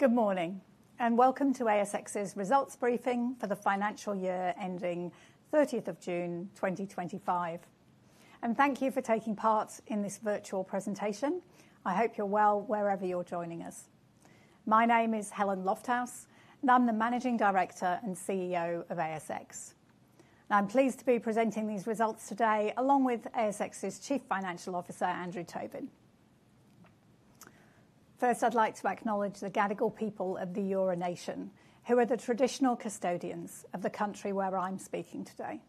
Good morning and welcome to ASX's results briefing for the financial year ending 30th of June, 2025. Thank you for taking part in this virtual presentation. I hope you're well wherever you're joining us. My name is Helen Lofthouse, and I'm the Managing Director and CEO of ASX. I'm pleased to be presenting these results today along with ASX's Chief Financial Officer, Andrew Tobin. First, I'd like to acknowledge the Gadigal people of the Eora Nation, who are the traditional custodians of the country where I'm speaking today.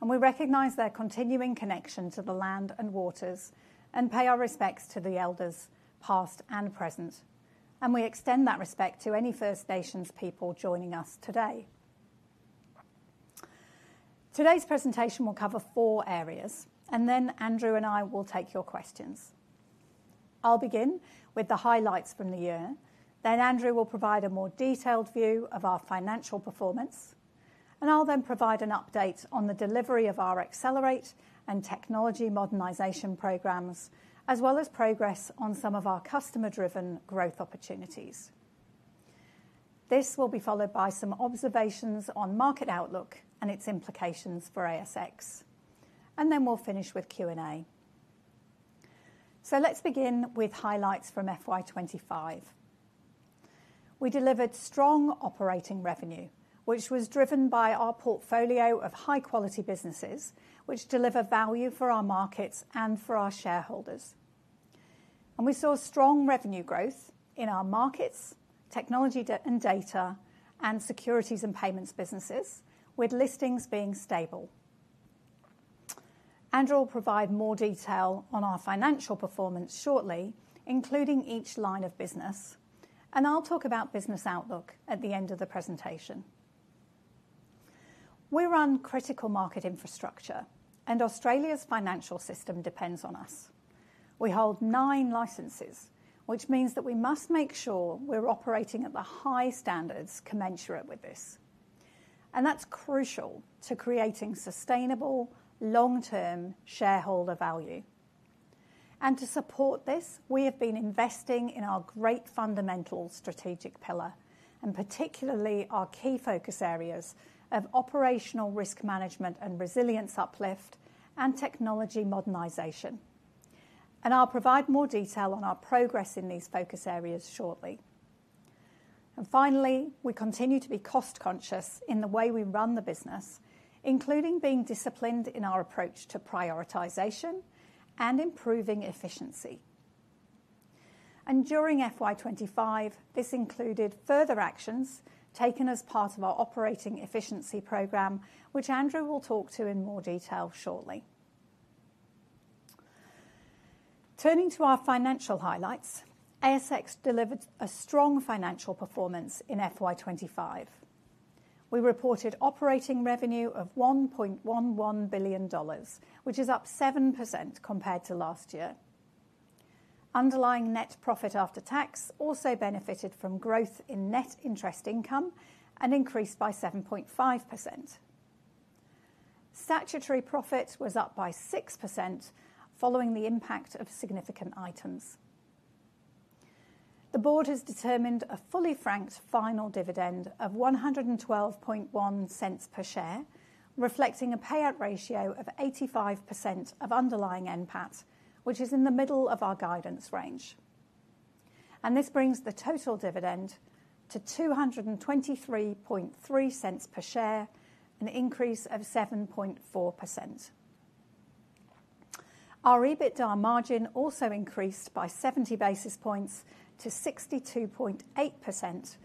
We recognize their continuing connection to the land and waters and pay our respects to the elders, past and present. We extend that respect to any First Nations people joining us today. Today's presentation will cover four areas, and then Andrew and I will take your questions. I'll begin with the highlights from the year, then Andrew will provide a more detailed view of our financial performance, and I'll then provide an update on the delivery of our accelerate and technology modernization programs, as well as progress on some of our customer-driven growth opportunities. This will be followed by some observations on market outlook and its implications for ASX. We'll finish with Q&A. Let's begin with highlights from FY 2025. We delivered strong operating revenue, which was driven by our portfolio of high-quality businesses, which deliver value for our markets and for our shareholders. We saw strong revenue growth in our markets, technology and data, and securities and payments businesses, with listings being stable. Andrew will provide more detail on our financial performance shortly, including each line of business, and I'll talk about business outlook at the end of the presentation. We run critical market infrastructure, and Australia's financial system depends on us. We hold nine licenses, which means that we must make sure we're operating at the highest standards commensurate with this. That's crucial to creating sustainable long-term shareholder value. To support this, we have been investing in our great fundamental strategic pillar, and particularly our key focus areas of operational risk management and resilience uplift, and technology modernization. I'll provide more detail on our progress in these focus areas shortly. Finally, we continue to be cost-conscious in the way we run the business, including being disciplined in our approach to prioritization and improving efficiency. During FY 2025, this included further actions taken as part of our operating efficiency program, which Andrew will talk to in more detail shortly. Turning to our financial highlights, ASX delivered a strong financial performance in FY 2025. We reported operating revenue of $1.11 billion, which is up 7% compared to last year. Underlying net profit after tax also benefited from growth in net interest income and increased by 7.5%. Statutory profit was up by 6% following the impact of significant items. The Board has determined a fully franked final dividend of $112.10 per share, reflecting a payout ratio of 85% of underlying NPAT, which is in the middle of our guidance range. This brings the total dividend to $223.30 per share, an increase of 7.4%. Our EBITDA margin also increased by 70 basis points to 62.8%,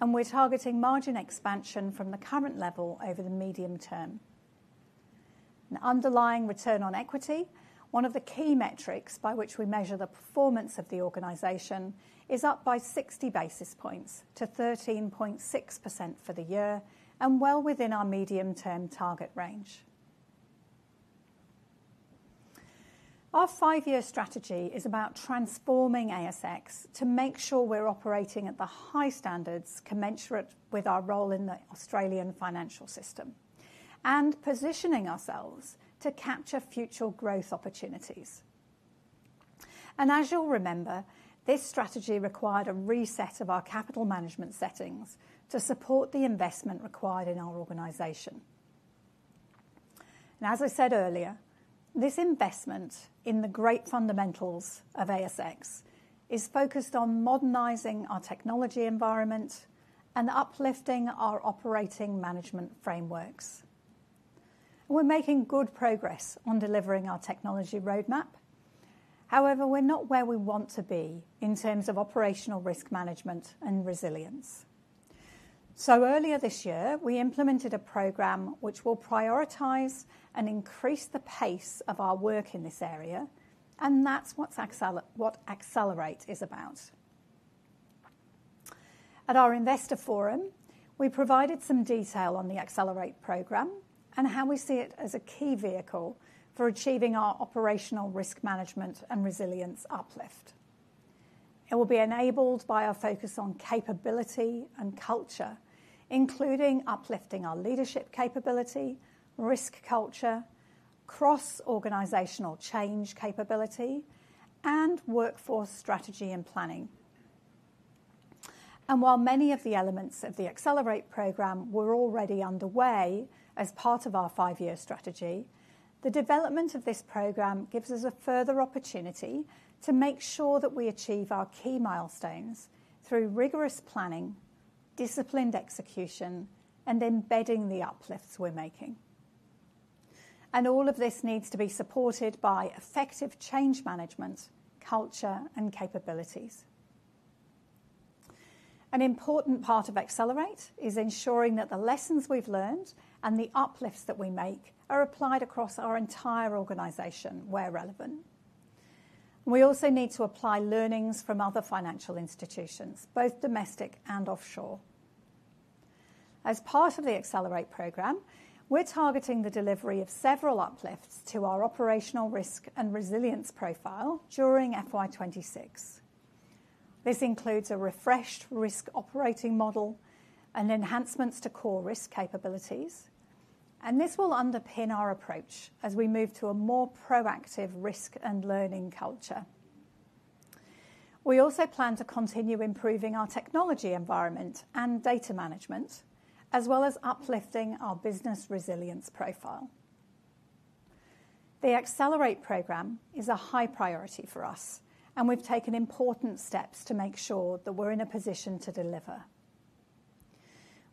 and we're targeting margin expansion from the current level over the medium term. Underlying return on equity, one of the key metrics by which we measure the performance of the organization, is up by 60 basis points to 13.6% for the year and well within our medium-term target range. Our five-year strategy is about transforming ASX to make sure we're operating at the highest standards commensurate with our role in the Australian financial system and positioning ourselves to capture future growth opportunities. As you'll remember, this strategy required a reset of our capital management settings to support the investment required in our organization. As I said earlier, this investment in the great fundamentals of ASX is focused on modernizing our technology environment and uplifting our operating management frameworks. We're making good progress on delivering our technology roadmap. However, we're not where we want to be in terms of operational risk management and resilience. Earlier this year, we implemented a program which will prioritize and increase the pace of our work in this area, and that's what Accelerate is about. At our investor forum, we provided some detail on the Accelerate program and how we see it as a key vehicle for achieving our operational risk management and resilience uplift. It will be enabled by our focus on capability and culture, including uplifting our leadership capability, risk culture, cross-organizational change capability, and workforce strategy and planning. While many of the elements of the Accelerate programme were already underway as part of our five-year strategy, the development of this programme gives us a further opportunity to make sure that we achieve our key milestones through rigorous planning, disciplined execution, and embedding the uplifts we're making. All of this needs to be supported by effective change management, culture, and capabilities. An important part of Accelerate is ensuring that the lessons we've learned and the uplifts that we make are applied across our entire organization where relevant. We also need to apply learnings from other financial institutions, both domestic and offshore. As part of the Accelerate programme, we're targeting the delivery of several uplifts to our operational risk and resilience profile during FY 2026. This includes a refreshed risk operating model and enhancements to core risk capabilities, and this will underpin our approach as we move to a more proactive risk and learning culture. We also plan to continue improving our technology environment and data management, as well as uplifting our business resilience profile. The Accelerate programme is a high priority for us, and we've taken important steps to make sure that we're in a position to deliver.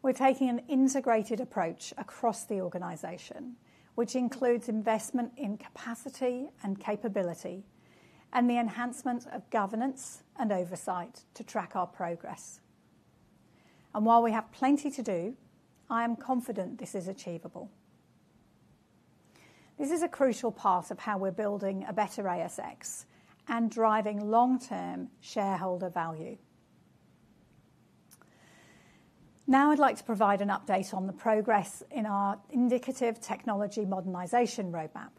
We're taking an integrated approach across the organization, which includes investment in capacity and capability, and the enhancement of governance and oversight to track our progress. While we have plenty to do, I am confident this is achievable. This is a crucial part of how we're building a better ASX and driving long-term shareholder value. Now I'd like to provide an update on the progress in our indicative technology modernization roadmap.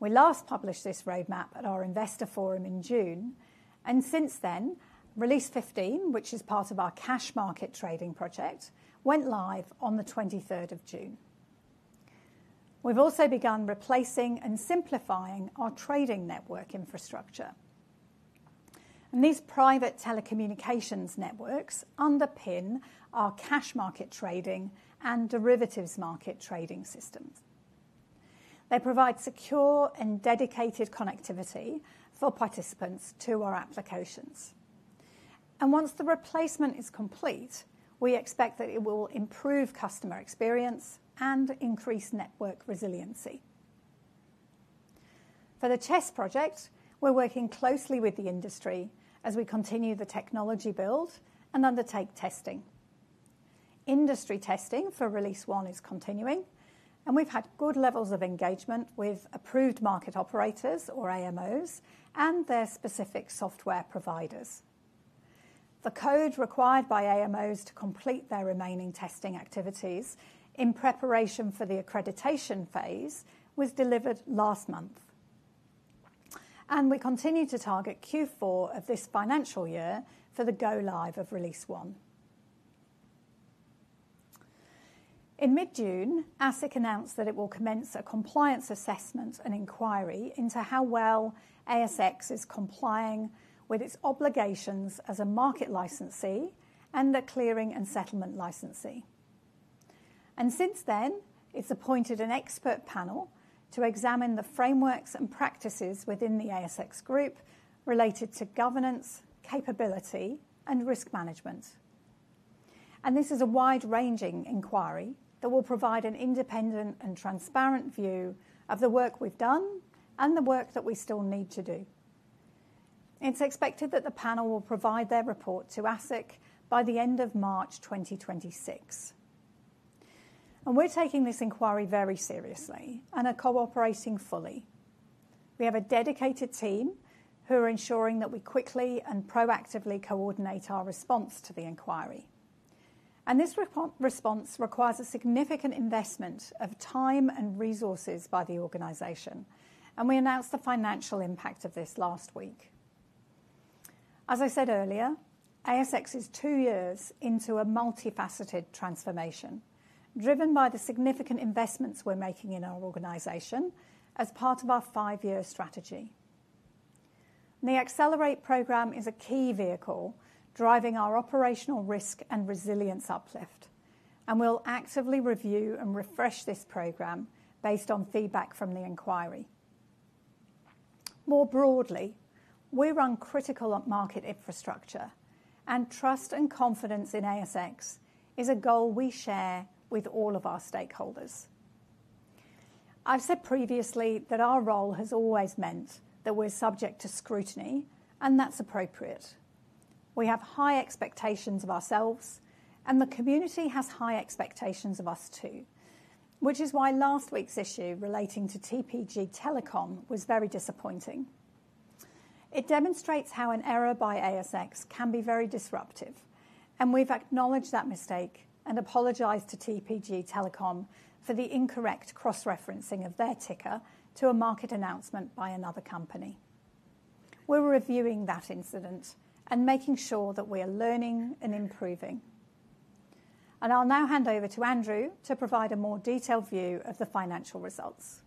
We last published this roadmap at our investor forum in June, and since then, Release 15, which is part of our cash market trading project, went live on the 23rd of June. We've also begun replacing and simplifying our trading network infrastructure. These private telecommunications networks underpin our cash market trading and derivatives market trading systems. They provide secure and dedicated connectivity for participants to our applications. Once the replacement is complete, we expect that it will improve customer experience and increase network resiliency. For the CHESS project, we're working closely with the industry as we continue the technology build and undertake testing. Industry testing for Release 1 is continuing, and we've had good levels of engagement with approved market operators, or AMOs, and their specific software providers. The code required by AMOs to complete their remaining testing activities in preparation for the accreditation phase was delivered last month. We continue to target Q4 of this financial year for the go-live of Release 1. In mid-June, ASIC announced that it will commence a compliance assessment and inquiry into how well ASX is complying with its obligations as a market licensee and a clearing and settlement licensee. Since then, it's appointed an expert panel to examine the frameworks and practices within the ASX group related to governance, capability, and risk management. This is a wide-ranging inquiry that will provide an independent and transparent view of the work we've done and the work that we still need to do. It's expected that the panel will provide their report to ASIC by the end of March 2026. We're taking this inquiry very seriously and are cooperating fully. We have a dedicated team who are ensuring that we quickly and proactively coordinate our response to the inquiry. This response requires a significant investment of time and resources by the organization, and we announced the financial impact of this last week. As I said earlier, ASX is two years into a multifaceted transformation, driven by the significant investments we're making in our organization as part of our five-year strategy. The Accelerate program is a key vehicle driving our operational risk and resilience uplift, and we'll actively review and refresh this program based on feedback from the inquiry. More broadly, we run critical market infrastructure, and trust and confidence in ASX is a goal we share with all of our stakeholders. I've said previously that our role has always meant that we're subject to scrutiny, and that's appropriate. We have high expectations of ourselves, and the community has high expectations of us too, which is why last week's issue relating to TPG Telecom was very disappointing. It demonstrates how an error by ASX can be very disruptive, and we've acknowledged that mistake and apologized to TPG Telecom for the incorrect cross-referencing of their ticker to a market announcement by another company. We're reviewing that incident and making sure that we are learning and improving. I'll now hand over to Andrew to provide a more detailed view of the financial results.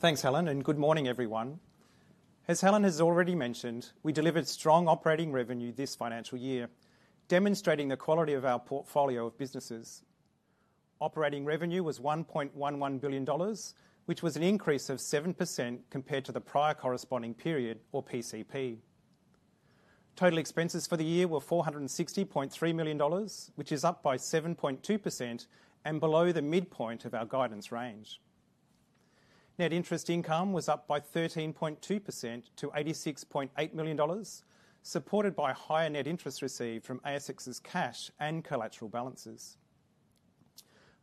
Thanks, Helen, and good morning, everyone. As Helen has already mentioned, we delivered strong operating revenue this financial year, demonstrating the quality of our portfolio of businesses. Operating revenue was $1.11 billion, which was an increase of 7% compared to the prior corresponding period, or PCP. Total expenses for the year were $460.3 million, which is up by 7.2% and below the midpoint of our guidance range. Net interest income was up by 13.2% to $86.8 million, supported by higher net interest received from ASX's cash and collateral balances.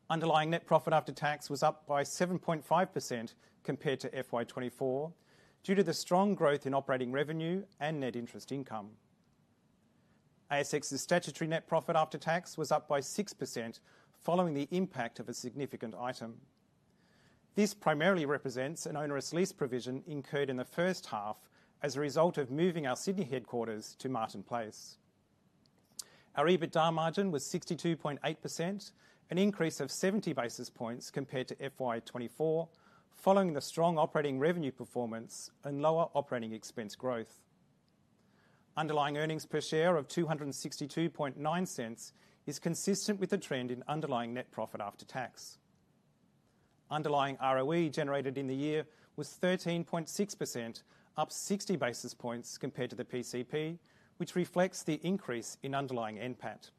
Underlying net profit after tax was up by 7.5% compared to 2024 due to the strong growth in operating revenue and net interest income. ASX's statutory net profit after tax was up by 6% following the impact of a significant item. This primarily represents an onerous lease provision incurred in the first half as a result of moving our Sydney headquarters to Martin Place. Our EBITDA margin was 62.8%, an increase of 70 basis points compared to FY 2024 following the strong operating revenue performance and lower operating expense growth. Underlying earnings per share of $262.90 is consistent with the trend in underlying net profit after tax. Underlying ROE generated in the year was 13.6%, up 60 basis points compared to the PCP, which reflects the increase in underlying NPAT.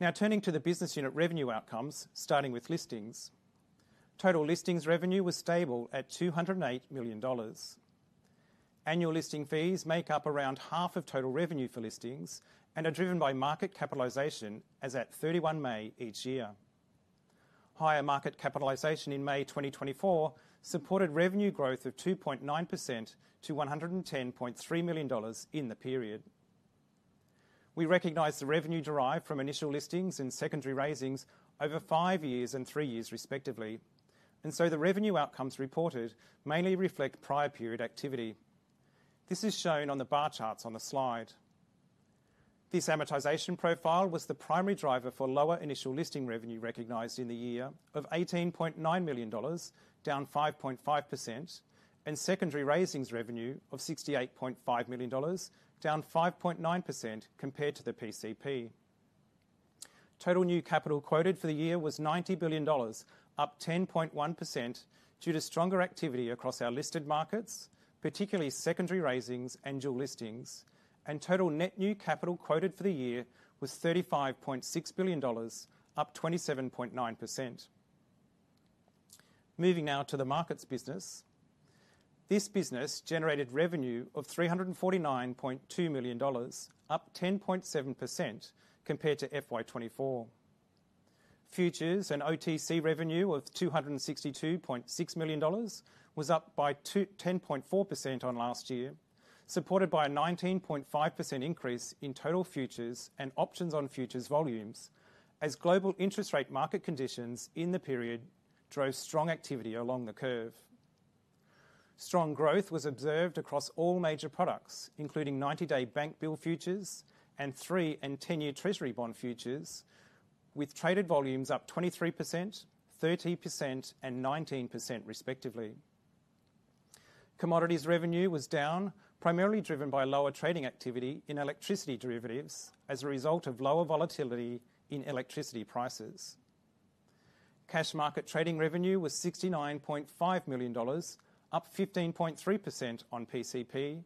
Now, turning to the business unit revenue outcomes, starting with listings, total listings revenue was stable at $208 million. Annual listing fees make up around half of total revenue for listings and are driven by market capitalization, as at 31 May each year. Higher market capitalization in May 2024 supported revenue growth of 2.9% to $110.3 million in the period. We recognize the revenue derived from initial listings and secondary raisings over five years and three years, respectively, and so the revenue outcomes reported mainly reflect prior period activity. This is shown on the bar charts on the slide. This amortization profile was the primary driver for lower initial listing revenue recognized in the year of $18.9 million, down 5.5%, and secondary raisings revenue of $68.5 million, down 5.9% compared to the PCP. Total new capital quoted for the year was $90 billion, up 10.1% due to stronger activity across our listed markets, particularly secondary raisings and dual listings, and total net new capital quoted for the year was $35.6 billion, up 27.9%. Moving now to the markets business, this business generated revenue of $349.2 million, up 10.7% compared to FY 2024. Futures and OTC revenue of $262.6 million was up by 10.4% on last year, supported by a 19.5% increase in total futures and options on futures volumes, as global interest rate market conditions in the period drove strong activity along the curve. Strong growth was observed across all major products, including 90-day bank bill futures and three and ten-year treasury bond futures, with traded volumes up 23%, [30%], and 19%, respectively. Commodities revenue was down, primarily driven by lower trading activity in electricity derivatives as a result of lower volatility in electricity prices. Cash market trading revenue was $69.5 million, up 15.3% on PCP,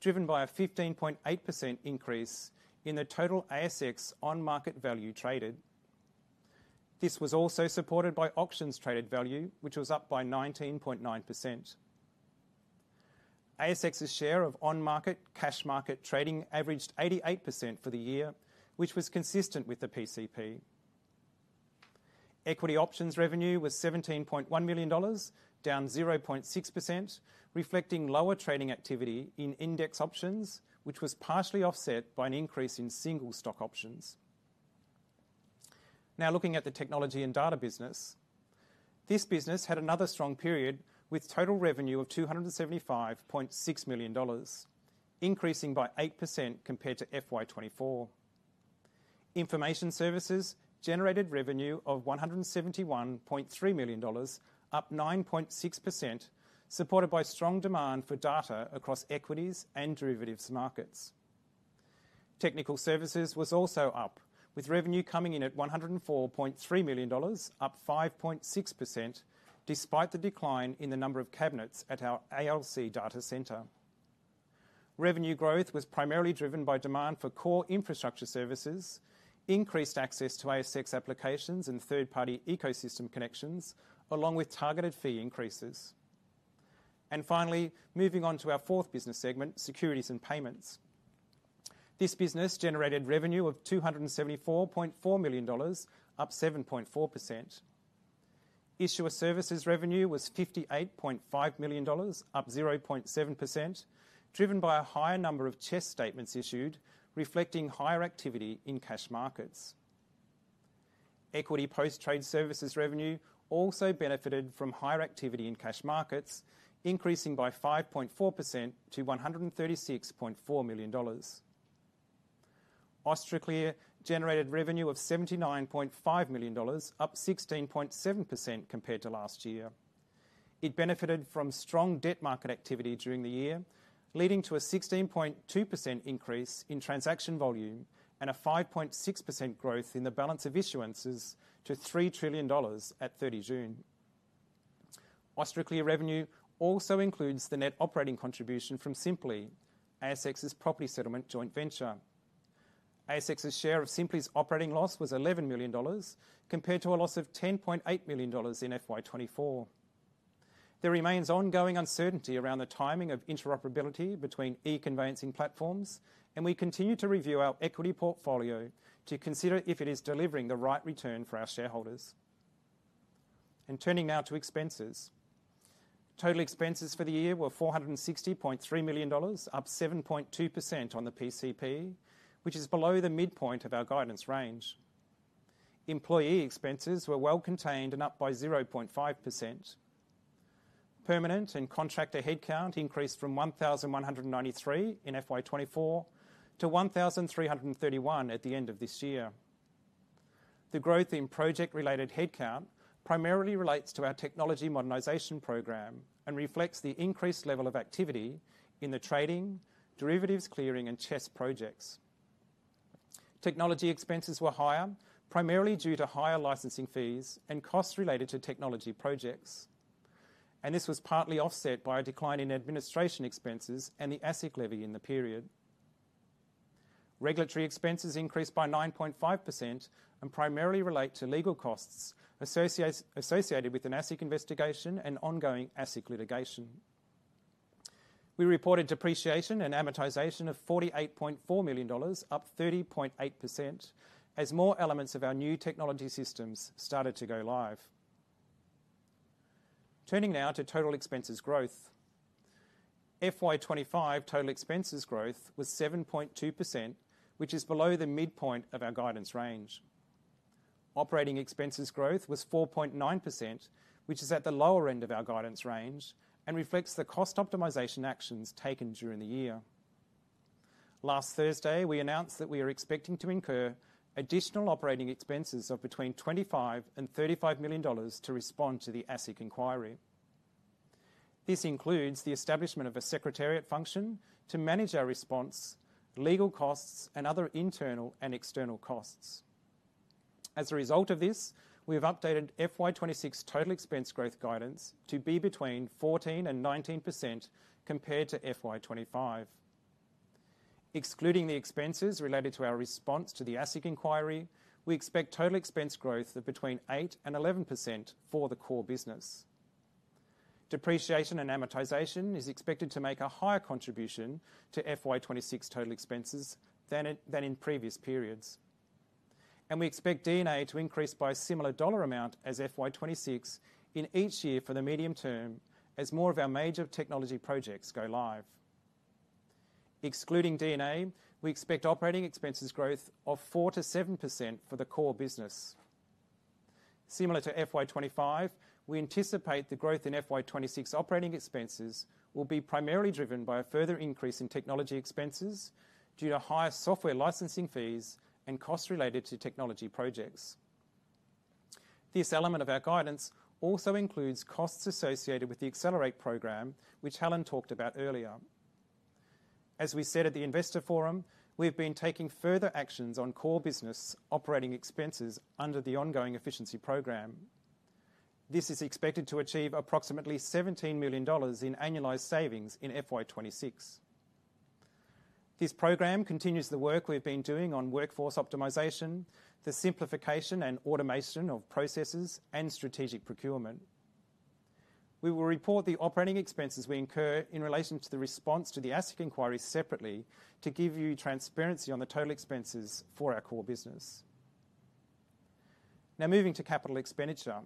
driven by a 15.8% increase in the total ASX on-market value traded. This was also supported by options traded value, which was up by 19.9%. ASX's share of on-market cash market trading averaged 88% for the year, which was consistent with the PCP. Equity options revenue was $17.1 million, down 0.6%, reflecting lower trading activity in index options, which was partially offset by an increase in single stock options. Now, looking at the technology and data business, this business had another strong period with total revenue of $275.6 million, increasing by 8% compared to FY 2024. Information services generated revenue of $171.3 million, up 9.6%, supported by strong demand for data across equities and derivatives markets. Technical services was also up, with revenue coming in at $104.3 million, up 5.6%, despite the decline in the number of cabinets at our ALC data centre. Revenue growth was primarily driven by demand for core infrastructure services, increased access to ASX applications and third-party ecosystem connections, along with targeted fee increases. Finally, moving on to our fourth business segment, securities and payments. This business generated revenue of $274.4 million, up 7.4%. Issuer services revenue was $58.5 million, up 0.7%, driven by a higher number of CHESS statements issued, reflecting higher activity in cash markets. Equity post-trade services revenue also benefited from higher activity in cash markets, increasing by 5.4% to $136.4 million. Austraclear generated revenue of $79.5 million, up 16.7% compared to last year. It benefited from strong debt market activity during the year, leading to a 16.2% increase in transaction volume and a 5.6% growth in the balance of issuances to $3 trillion at 30 June. Austraclear revenue also includes the net operating contribution from Sympli, ASX's property settlement joint venture. ASX's share of Sympli's operating loss was $11 million, compared to a loss of $10.8 million in FY 2024. There remains ongoing uncertainty around the timing of interoperability between e-conveyancing platforms, and we continue to review our equity portfolio to consider if it is delivering the right return for our shareholders. Turning now to expenses. Total expenses for the year were $460.3 million, up 7.2% on the PCP, which is below the midpoint of our guidance range. Employee expenses were well contained and up by 0.5%. Permanent and contractor headcount increased from 1,193 in FY 2024 to 1,331 at the end of this year. The growth in project-related headcount primarily relates to our technology modernization program and reflects the increased level of activity in the trading, derivatives clearing, and CHESS projects. Technology expenses were higher, primarily due to higher licensing fees and costs related to technology projects. This was partly offset by a decline in administration expenses and the ASIC levy in the period. Regulatory expenses increased by 9.5% and primarily relate to legal costs associated with an ASIC investigation and ongoing ASIC litigation. We reported depreciation and amortization of $48.4 million, up 30.8%, as more elements of our new technology systems started to go live. Turning now to total expenses growth. FY 2025 total expenses growth was 7.2%, which is below the midpoint of our guidance range. Operating expenses growth was 4.9%, which is at the lower end of our guidance range and reflects the cost optimization actions taken during the year. Last Thursday, we announced that we are expecting to incur additional operating expenses of between $25 million and $35 million to respond to the ASIC inquiry. This includes the establishment of a secretariat function to manage our response, legal costs, and other internal and external costs. As a result of this, we have updated FY 2026 total expense growth guidance to be between 14% and 19% compared to FY 2025. Excluding the expenses related to our response to the ASIC inquiry, we expect total expense growth of between 8% and 11% for the core business. Depreciation and amortization is expected to make a higher contribution to FY 2026 total expenses than in previous periods. We expect D&A to increase by a similar dollar amount as FY 2026 in each year for the medium term, as more of our major technology projects go live. Excluding D&A, we expect operating expenses growth of 4%-7% for the core business. Similar to FY 2025, we anticipate the growth in FY 2026 operating expenses will be primarily driven by a further increase in technology expenses due to higher software licensing fees and costs related to technology projects. This element of our guidance also includes costs associated with the Accelerate program, which Helen talked about earlier. As we said at the investor forum, we've been taking further actions on core business operating expenses under the ongoing efficiency program. This is expected to achieve approximately $17 million in annualized savings in FY 2026. This program continues the work we've been doing on workforce optimization, the simplification and automation of processes, and strategic procurement. We will report the operating expenses we incur in relation to the response to the ASIC inquiry separately to give you transparency on the total expenses for our core business. Now moving to capital expenditure.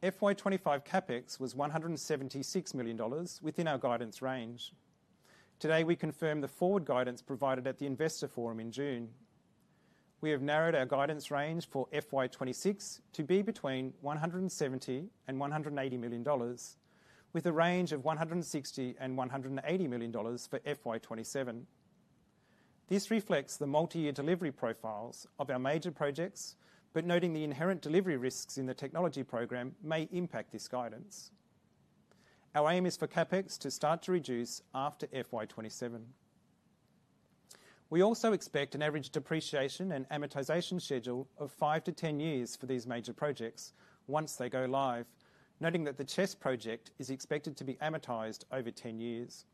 FY 2025 CapEx was $176 million within our guidance range. Today, we confirm the forward guidance provided at the investor forum in June. We have narrowed our guidance range for FY 2026 to be between $170 million and $180 million, with a range of $160 million and $180 million for FY 2027. This reflects the multi-year delivery profiles of our major projects, but noting the inherent delivery risks in the technology program may impact this guidance. Our aim is for CapEx to start to reduce after FY 2027. We also expect an average depreciation and amortization schedule of five to 10 years for these major projects once they go live, noting that the CHESS project is expected to be amortized over 10 years.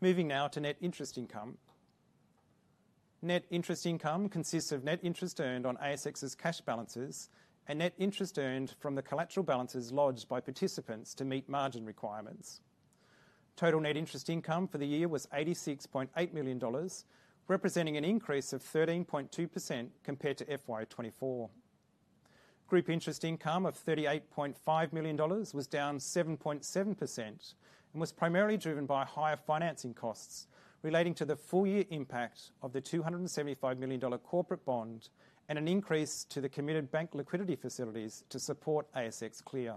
Moving now to net interest income. Net interest income consists of net interest earned on ASX's cash balances and net interest earned from the collateral balances lodged by participants to meet margin requirements. Total net interest income for the year was $86.8 million, representing an increase of 13.2% compared to FY 2024. Group interest income of $38.5 million was down 7.7% and was primarily driven by higher financing costs relating to the full-year impact of the $275 million corporate bond and an increase to the committed bank liquidity facilities to support ASX Clear.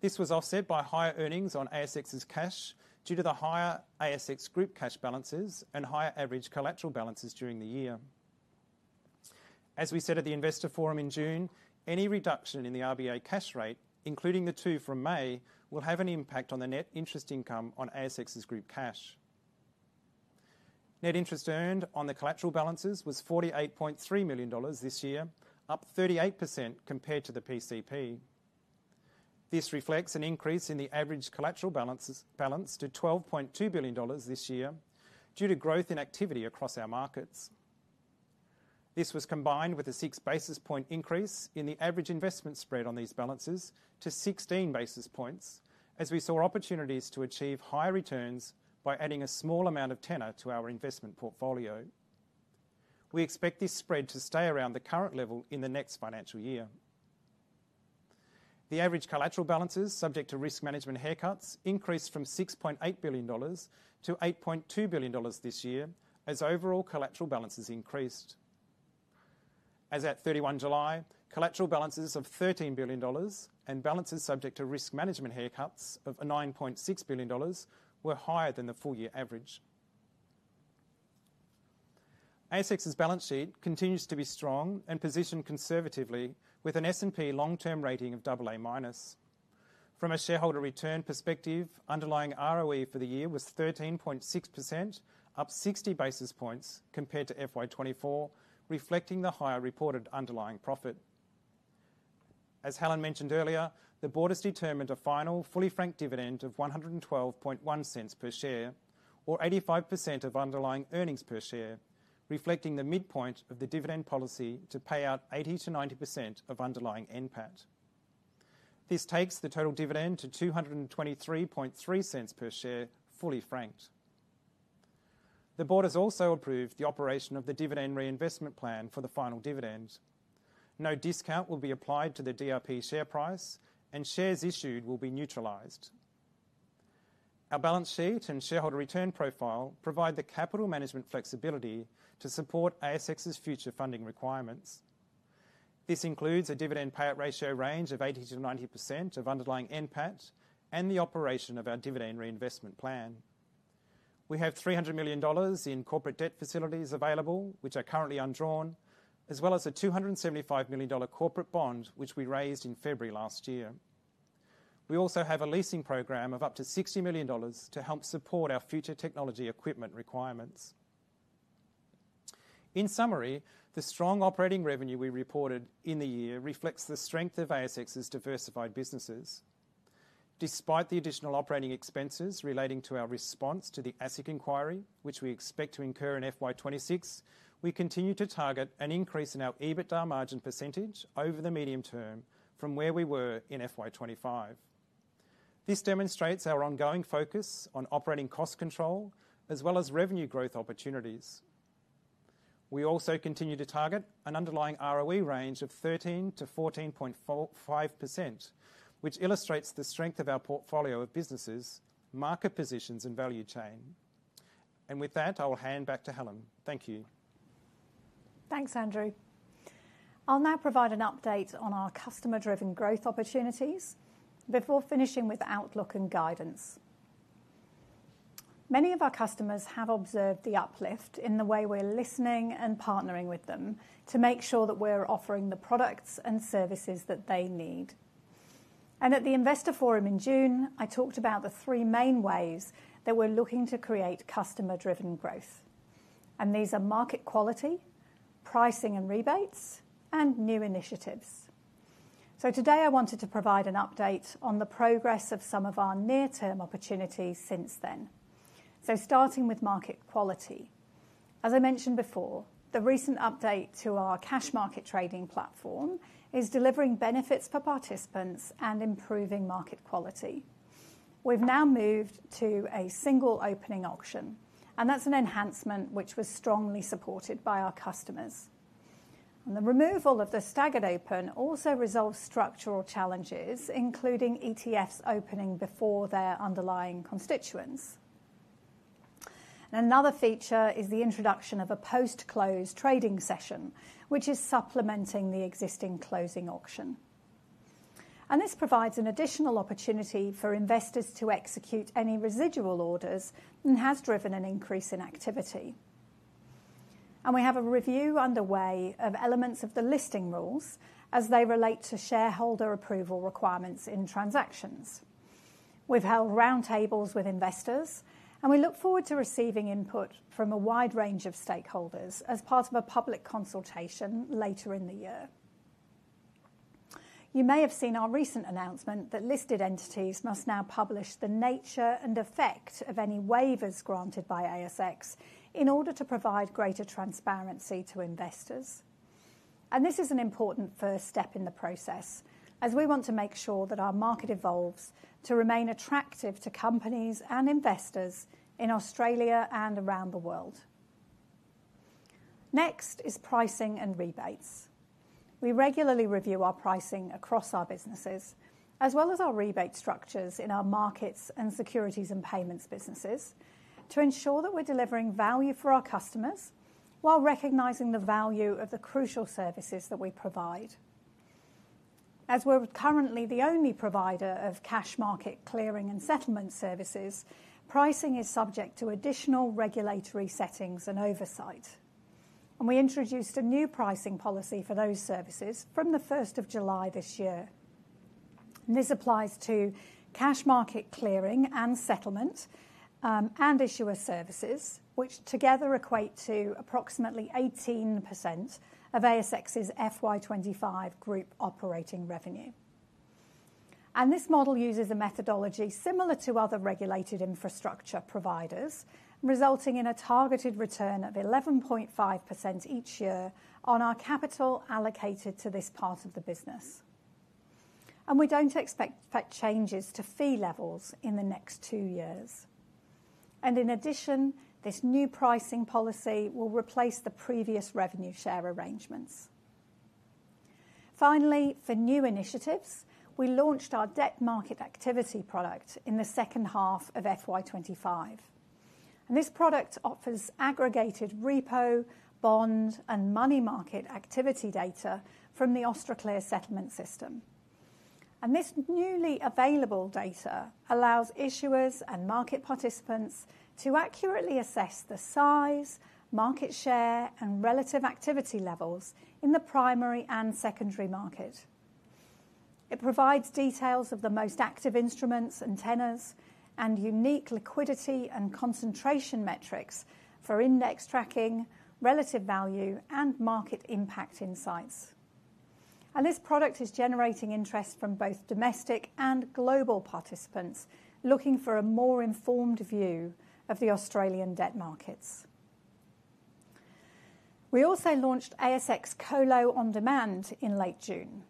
This was offset by higher earnings on ASX's cash due to the higher ASX group cash balances and higher average collateral balances during the year. As we said at the investor forum in June, any reduction in the RBA cash rate, including the two from May, will have an impact on the net interest income on ASX's group cash. Net interest earned on the collateral balances was $48.3 million this year, up 38% compared to the PCP. This reflects an increase in the average collateral balance to $12.2 billion this year due to growth in activity across our markets. This was combined with a 6 basis point increase in the average investment spread on these balances to 16 basis points, as we saw opportunities to achieve higher returns by adding a small amount of tenor to our investment portfolio. We expect this spread to stay around the current level in the next financial year. The average collateral balances subject to risk management haircuts increased from $6.8 billion to $8.2 billion this year as overall collateral balances increased. As at 31 July, collateral balances of $13 billion and balances subject to risk management haircuts of $9.6 billion were higher than the full-year average. ASX's balance sheet continues to be strong and positioned conservatively with an S&P long-term rating of AA-. From a shareholder return perspective, underlying ROE for the year was 13.6%, up 60 basis points compared to FY 2024, reflecting the higher reported underlying profit. As Helen mentioned earlier, the Board has determined a final fully franked dividend of $112.10 per share, or 85% of underlying earnings per share, reflecting the midpoint of the dividend policy to pay out 80%-90% of underlying NPAT. This takes the total dividend to $223.30 per share, fully franked. The Board has also approved the operation of the dividend reinvestment plan for the final dividend. No discount will be applied to the DRP share price, and shares issued will be neutralized. Our balance sheet and shareholder return profile provide the capital management flexibility to support ASX's future funding requirements. This includes a dividend payout ratio range of 80%-90% of underlying NPAT and the operation of our dividend reinvestment plan. We have $300 million in corporate debt facilities available, which are currently undrawn, as well as a $275 million corporate bond, which we raised in February last year. We also have a leasing program of up to $60 million to help support our future technology equipment requirements. In summary, the strong operating revenue we reported in the year reflects the strength of ASX's diversified businesses. Despite the additional operating expenses relating to our response to the ASIC inquiry, which we expect to incur in FY 2026, we continue to target an increase in our EBITDA margin percentage over the medium term from where we were in FY 2025. This demonstrates our ongoing focus on operating cost control, as well as revenue growth opportunities. We also continue to target an underlying ROE range of 13%-14.5%, which illustrates the strength of our portfolio of businesses, market positions, and value chain. I will hand back to Helen. Thank you. Thanks, Andrew. I'll now provide an update on our customer-driven growth opportunities before finishing with outlook and guidance. Many of our customers have observed the uplift in the way we're listening and partnering with them to make sure that we're offering the products and services that they need. At the investor forum in June, I talked about the three main ways that we're looking to create customer-driven growth. These are market quality, pricing and rebates, and new initiatives. Today, I wanted to provide an update on the progress of some of our near-term opportunities since then. Starting with market quality, as I mentioned before, the recent update to our cash market trading platform is delivering benefits for participants and improving market quality. We've now moved to a single opening auction, which was strongly supported by our customers. The removal of the staggered open also resolves structural challenges, including ETFs opening before their underlying constituents. Another feature is the introduction of a post-close trading session, which is supplementing the existing closing auction. This provides an additional opportunity for investors to execute any residual orders and has driven an increase in activity. We have a review underway of elements of the listing rules as they relate to shareholder approval requirements in transactions. We've held roundtables with investors, and we look forward to receiving input from a wide range of stakeholders as part of a public consultation later in the year. You may have seen our recent announcement that listed entities must now publish the nature and effect of any waivers granted by ASX in order to provide greater transparency to investors. This is an important first step in the process, as we want to make sure that our market evolves to remain attractive to companies and investors in Australia and around the world. Next is pricing and rebates. We regularly review our pricing across our businesses, as well as our rebate structures in our markets and securities and payments businesses to ensure that we're delivering value for our customers while recognizing the value of the crucial services that we provide. As we're currently the only provider of cash market clearing and settlement services, pricing is subject to additional regulatory settings and oversight. We introduced a new pricing policy for those services from the 1st of July this year. This applies to cash market clearing and settlement and issuer services, which together equate to approximately 18% of ASX's FY 2025 group operating revenue. This model uses a methodology similar to other regulated infrastructure providers, resulting in a targeted return of 11.5% each year on our capital allocated to this part of the business. We do not expect changes to fee levels in the next two years. In addition, this new pricing policy will replace the previous revenue share arrangements. For new initiatives, we launched our debt market activity product in the second half of FY 2025. This product offers aggregated repo, bond, and money market activity data from the Austraclear Settlement System. This newly available data allows issuers and market participants to accurately assess the size, market share, and relative activity levels in the primary and secondary market. It provides details of the most active instruments and tenors, and unique liquidity and concentration metrics for index tracking, relative value, and market impact insights. This product is generating interest from both domestic and global participants looking for a more informed view of the Australian debt markets. We also launched ASX Colo OnDemand in late June.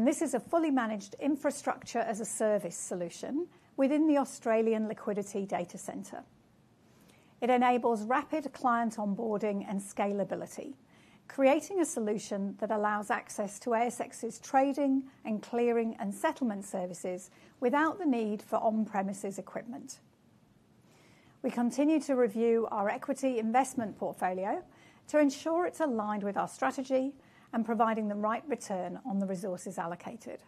This is a fully managed infrastructure as a service solution within the Australian liquidity data center. It enables rapid client onboarding and scalability, creating a solution that allows access to ASX's trading and clearing and settlement services without the need for on-premises equipment. We continue to review our equity investment portfolio to ensure it's aligned with our strategy and providing the right return on the resources allocated.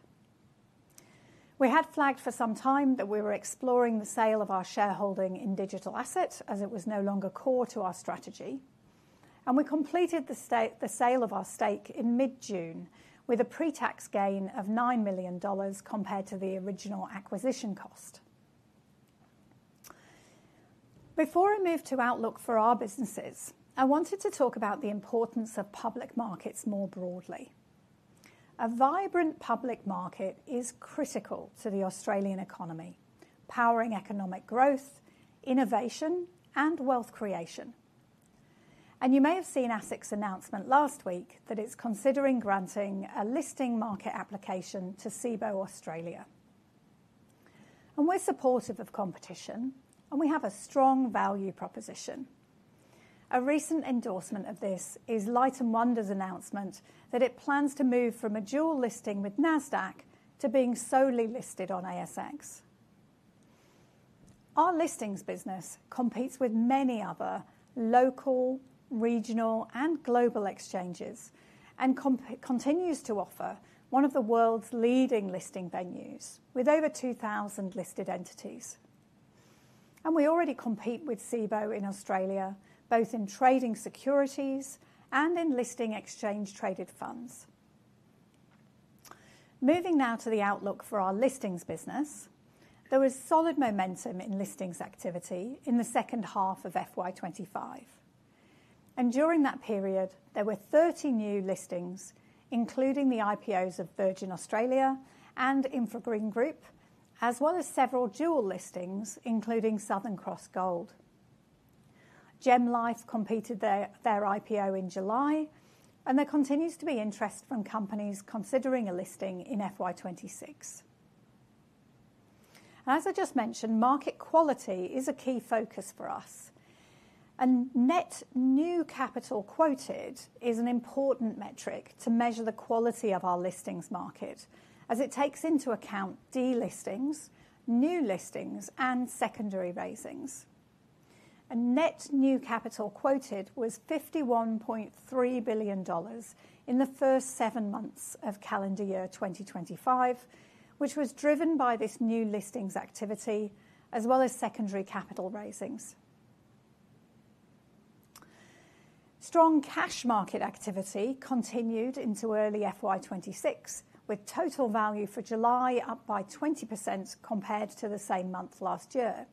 We had flagged for some time that we were exploring the sale of our shareholding in Digital Asset, as it was no longer core to our strategy. We completed the sale of our stake in mid-June with a pre-tax gain of $9 million compared to the original acquisition cost. Before I move to outlook for our businesses, I wanted to talk about the importance of public markets more broadly. A vibrant public market is critical to the Australian economy, powering economic growth, innovation, and wealth creation. You may have seen ASIC's announcement last week that it's considering granting a listing market application to CIBO Australia. We are supportive of competition, and we have a strong value proposition. A recent endorsement of this is Light & Wonders' announcement that it plans to move from a dual listing with NASDAQ to being solely listed on ASX. Our listings business competes with many other local, regional, and global exchanges and continues to offer one of the world's leading listing venues with over 2,000 listed entities. We already compete with Cboe in Australia, both in trading securities and in listing exchange-traded funds. Moving now to the outlook for our listings business, there was solid momentum in listings activity in the second half of FY 2025. During that period, there were 30 new listings, including the IPOs of Virgin Australia and Infragreen Group, as well as several dual listings, including Southern Cross Gold. Gemlife completed their IPO in July, and there continues to be interest from companies considering a listing in FY 2026. As I just mentioned, market quality is a key focus for us. Net new capital quoted is an important metric to measure the quality of our listings market, as it takes into account delistings, new listings, and secondary raisings. Net new capital quoted was $51.3 billion in the first seven months of calendar year 2025, which was driven by this new listings activity, as well as secondary capital raisings. Strong cash market activity continued into early FY 2026, with total value for July up by 20% compared to the same month last year.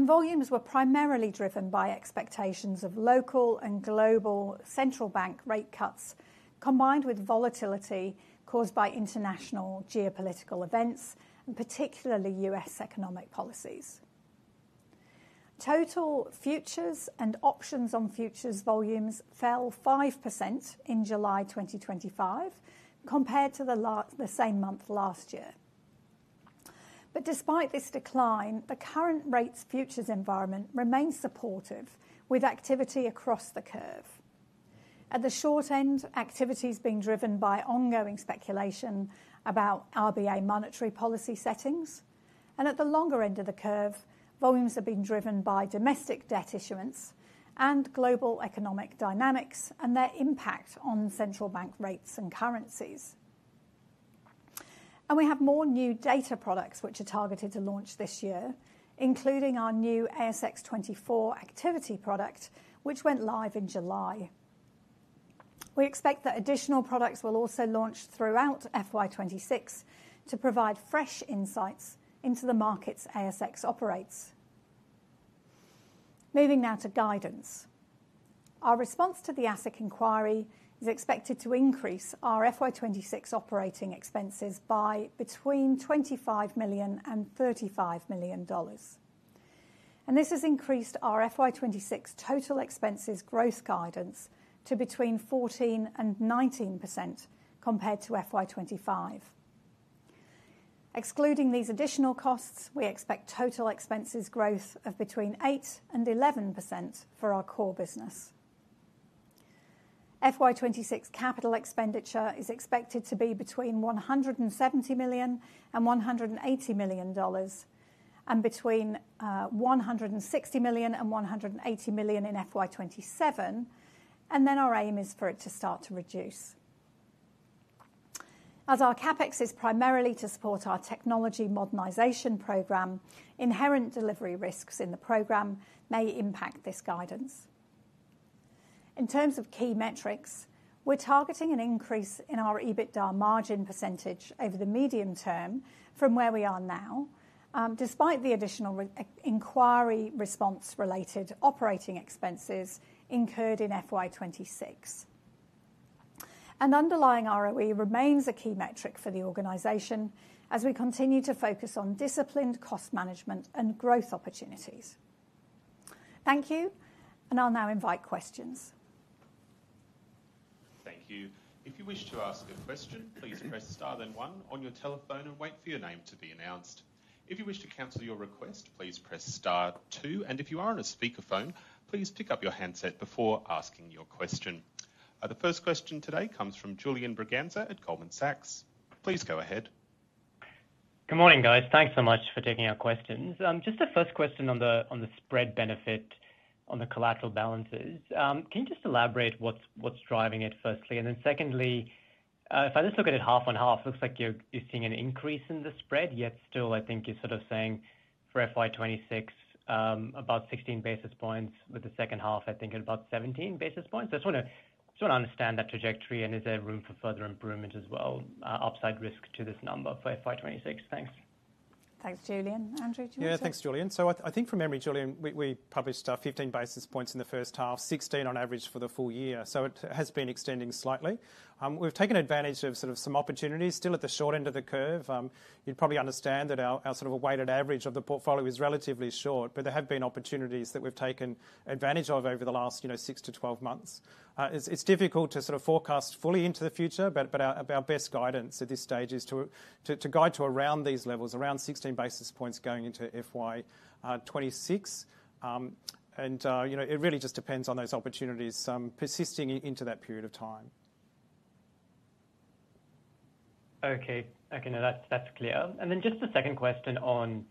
Volumes were primarily driven by expectations of local and global central bank rate cuts, combined with volatility caused by international geopolitical events, and particularly U.S. economic policies. Total futures and options on futures volumes fell 5% in July 2025, compared to the same month last year. Despite this decline, the current rates futures environment remains supportive, with activity across the curve. At the short end, activity is being driven by ongoing speculation about RBA monetary policy settings. At the longer end of the curve, volumes are being driven by domestic debt issuance and global economic dynamics and their impact on central bank rates and currencies. We have more new data products which are targeted to launch this year, including our new ASX 24 activity product, which went live in July. We expect that additional products will also launch throughout FY 2026 to provide fresh insights into the markets ASX operates. Moving now to guidance. Our response to the ASIC inquiry is expected to increase our FY 2026 operating expenses by between $25 million and $35 million. This has increased our FY 2026 total expenses gross guidance to between 14% and 19% compared to FY 2025. Excluding these additional costs, we expect total expenses growth of between 8% and 11% for our core business. FY 2026 capital expenditure is expected to be between $170 million and $180 million, and between $160 million and $180 million in FY 2027. Our aim is for it to start to reduce. As our CapEx is primarily to support our technology modernization program, inherent delivery risks in the program may impact this guidance. In terms of key metrics, we're targeting an increase in our EBITDA margin percentage over the medium term from where we are now, despite the additional inquiry response-related operating expenses incurred in FY 2026. Underlying ROE remains a key metric for the organization, as we continue to focus on disciplined cost management and growth opportunities. Thank you, and I'll now invite questions. Thank you. If you wish to ask a question, please press *1 on your telephone and wait for your name to be announced. If you wish to cancel your request, please press *2. If you are on a speaker phone, please pick up your handset before asking your question. The first question today comes from Julian Briganza at Goldman Sachs. Please go ahead. Good morning, guys. Thanks so much for taking our questions. Just the first question on the spread benefit on the collateral balances. Can you just elaborate what's driving it firstly? Then secondly, if I just look at it half on half, it looks like you're seeing an increase in the spread, yet still, I think you're sort of saying for FY 2026, about 16 basis points, with the second half, I think, at about 17 basis points. I just want to understand that trajectory, and is there room for further improvement as well, upside risk to this number for FY 2026? Thanks. Thanks, Julian. Andrew, do you want to? Yeah, thanks, Julian. I think from memory, Julian, we published 15 basis points in the first half, 16 on average for the full year. It has been extending slightly. We've taken advantage of some opportunities still at the short end of the curve. You'd probably understand that our weighted average of the portfolio is relatively short, but there have been opportunities that we've taken advantage of over the last six to 12 months. It's difficult to forecast fully into the future, but our best guidance at this stage is to guide to around these levels, around 16 basis points going into FY 2026. It really just depends on those opportunities persisting into that period of time. OK, no, that's clear. Just the second question on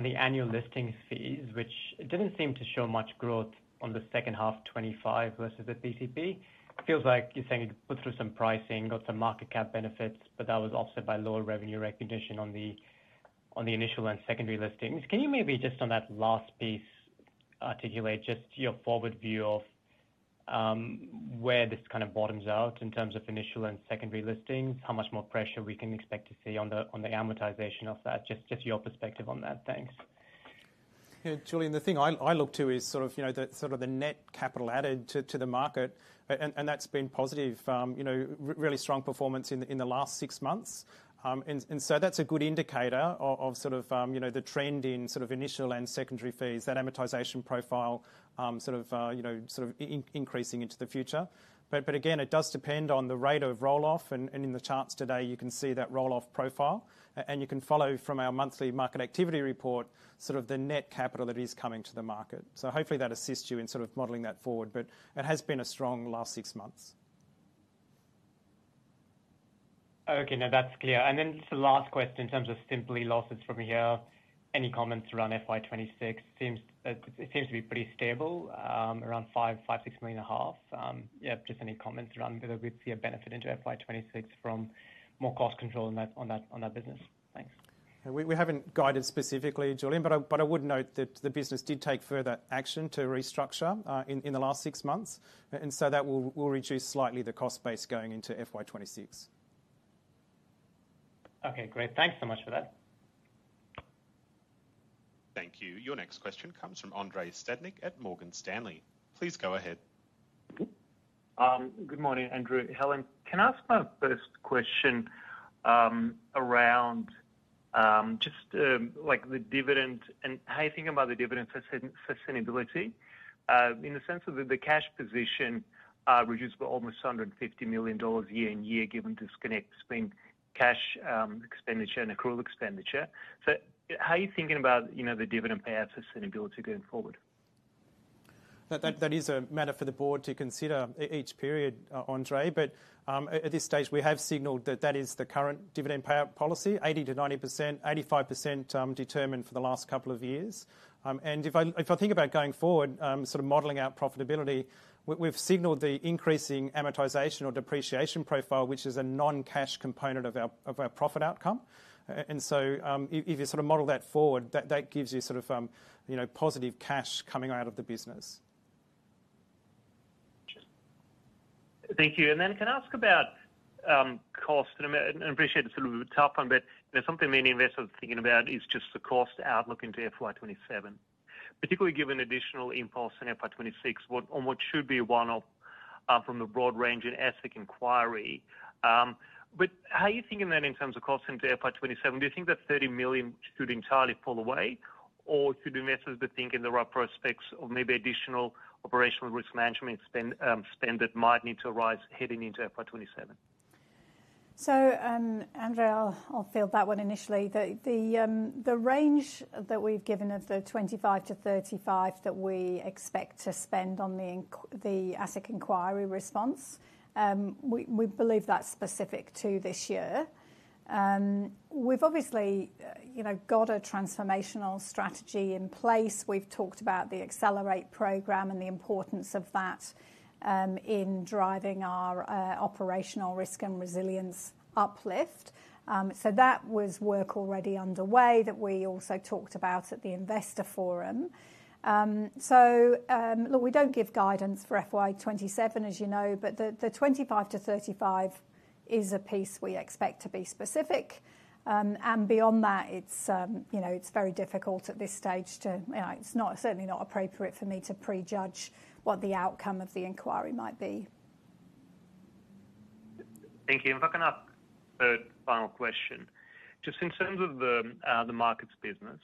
the annual listings fees, which didn't seem to show much growth in the second half, 25% versus the PCP. Feels like you're saying you put through some pricing, got some market cap benefits, but that was offset by lower revenue recognition on the initial and secondary listings. Can you maybe just on that last piece articulate your forward view of where this kind of bottoms out in terms of initial and secondary listings, how much more pressure we can expect to see on the amortization of that? Just your perspective on that, thanks. Julian, the thing I look to is sort of the net capital added to the market, and that's been positive, really strong performance in the last six months. That's a good indicator of the trend in initial and secondary fees, that amortization profile increasing into the future. It does depend on the rate of roll-off, and in the charts today, you can see that roll-off profile. You can follow from our monthly market activity report the net capital that is coming to the market. Hopefully, that assists you in modeling that forward, but it has been a strong last six months. OK, no, that's clear. The last question in terms of simply losses from here, any comments around FY 2026? It seems to be pretty stable, around $5 million, $5.6 million and a half. Just any comments around whether we'd see a benefit into FY 2026 from more cost control on that business? Thanks. We haven't guided specifically, Julian, but I would note that the business did take further action to restructure in the last six months. That will reduce slightly the cost base going into FY 2026. OK, great. Thanks so much for that. Thank you. Your next question comes from Andrei Stadnik at Morgan Stanley. Please go ahead. Good morning, Andrew. Helen, can I ask my first question around just the dividend and how you're thinking about the dividend sustainability in the sense of the cash position reduced by almost $150 million year-on-year, given disconnects between cash expenditure and accrual expenditure? How are you thinking about the dividend payout sustainability going forward? That is a matter for the Board to consider each period, Andrei. At this stage, we have signaled that that is the current dividend payout policy, 80%-90%, 85% determined for the last couple of years. If I think about going forward, sort of modeling out profitability, we've signaled the increasing amortization or depreciation profile, which is a non-cash component of our profit outcome. If you sort of model that forward, that gives you sort of positive cash coming out of the business. Thank you. Can I ask about cost? I appreciate it's sort of a tough one, but something many investors are thinking about is just the cost outlook into FY 2027, particularly given additional impulse in FY 2026 on what should be one-off from the broad range in ASIC inquiry. How are you thinking then in terms of cost into FY 2027? Do you think that $30 million should entirely fall away, or should investors be thinking there are prospects of maybe additional operational risk management spend that might need to arise heading into FY 2027? I'll field that one initially. The range that we've given of $25 million-$35 million that we expect to spend on the ASIC inquiry response, we believe that's specific to this year. We've obviously got a transformational strategy in place. We've talked about the Accelerate program and the importance of that in driving our operational risk and resilience uplift. That was work already underway that we also talked about at the investor forum. We don't give guidance for FY 2027, as you know, but the $25 million-$35 million is a piece we expect to be specific. Beyond that, it's very difficult at this stage to, it's certainly not appropriate for me to prejudge what the outcome of the inquiry might be. Thank you. If I can ask a third final question, just in terms of the markets business,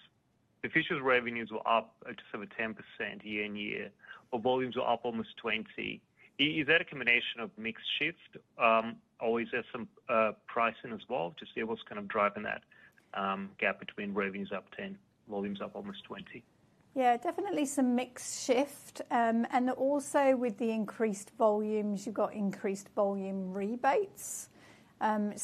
if issuers' revenues were up just over 10% year-on-year, or volumes were up almost 20%, is that a combination of mix shift, or is there some pricing as well to see what's kind of driving that gap between revenues up 10%, volumes up almost 20%? Yeah, definitely some mixed shift. Also, with the increased volumes, you've got increased volume rebates. We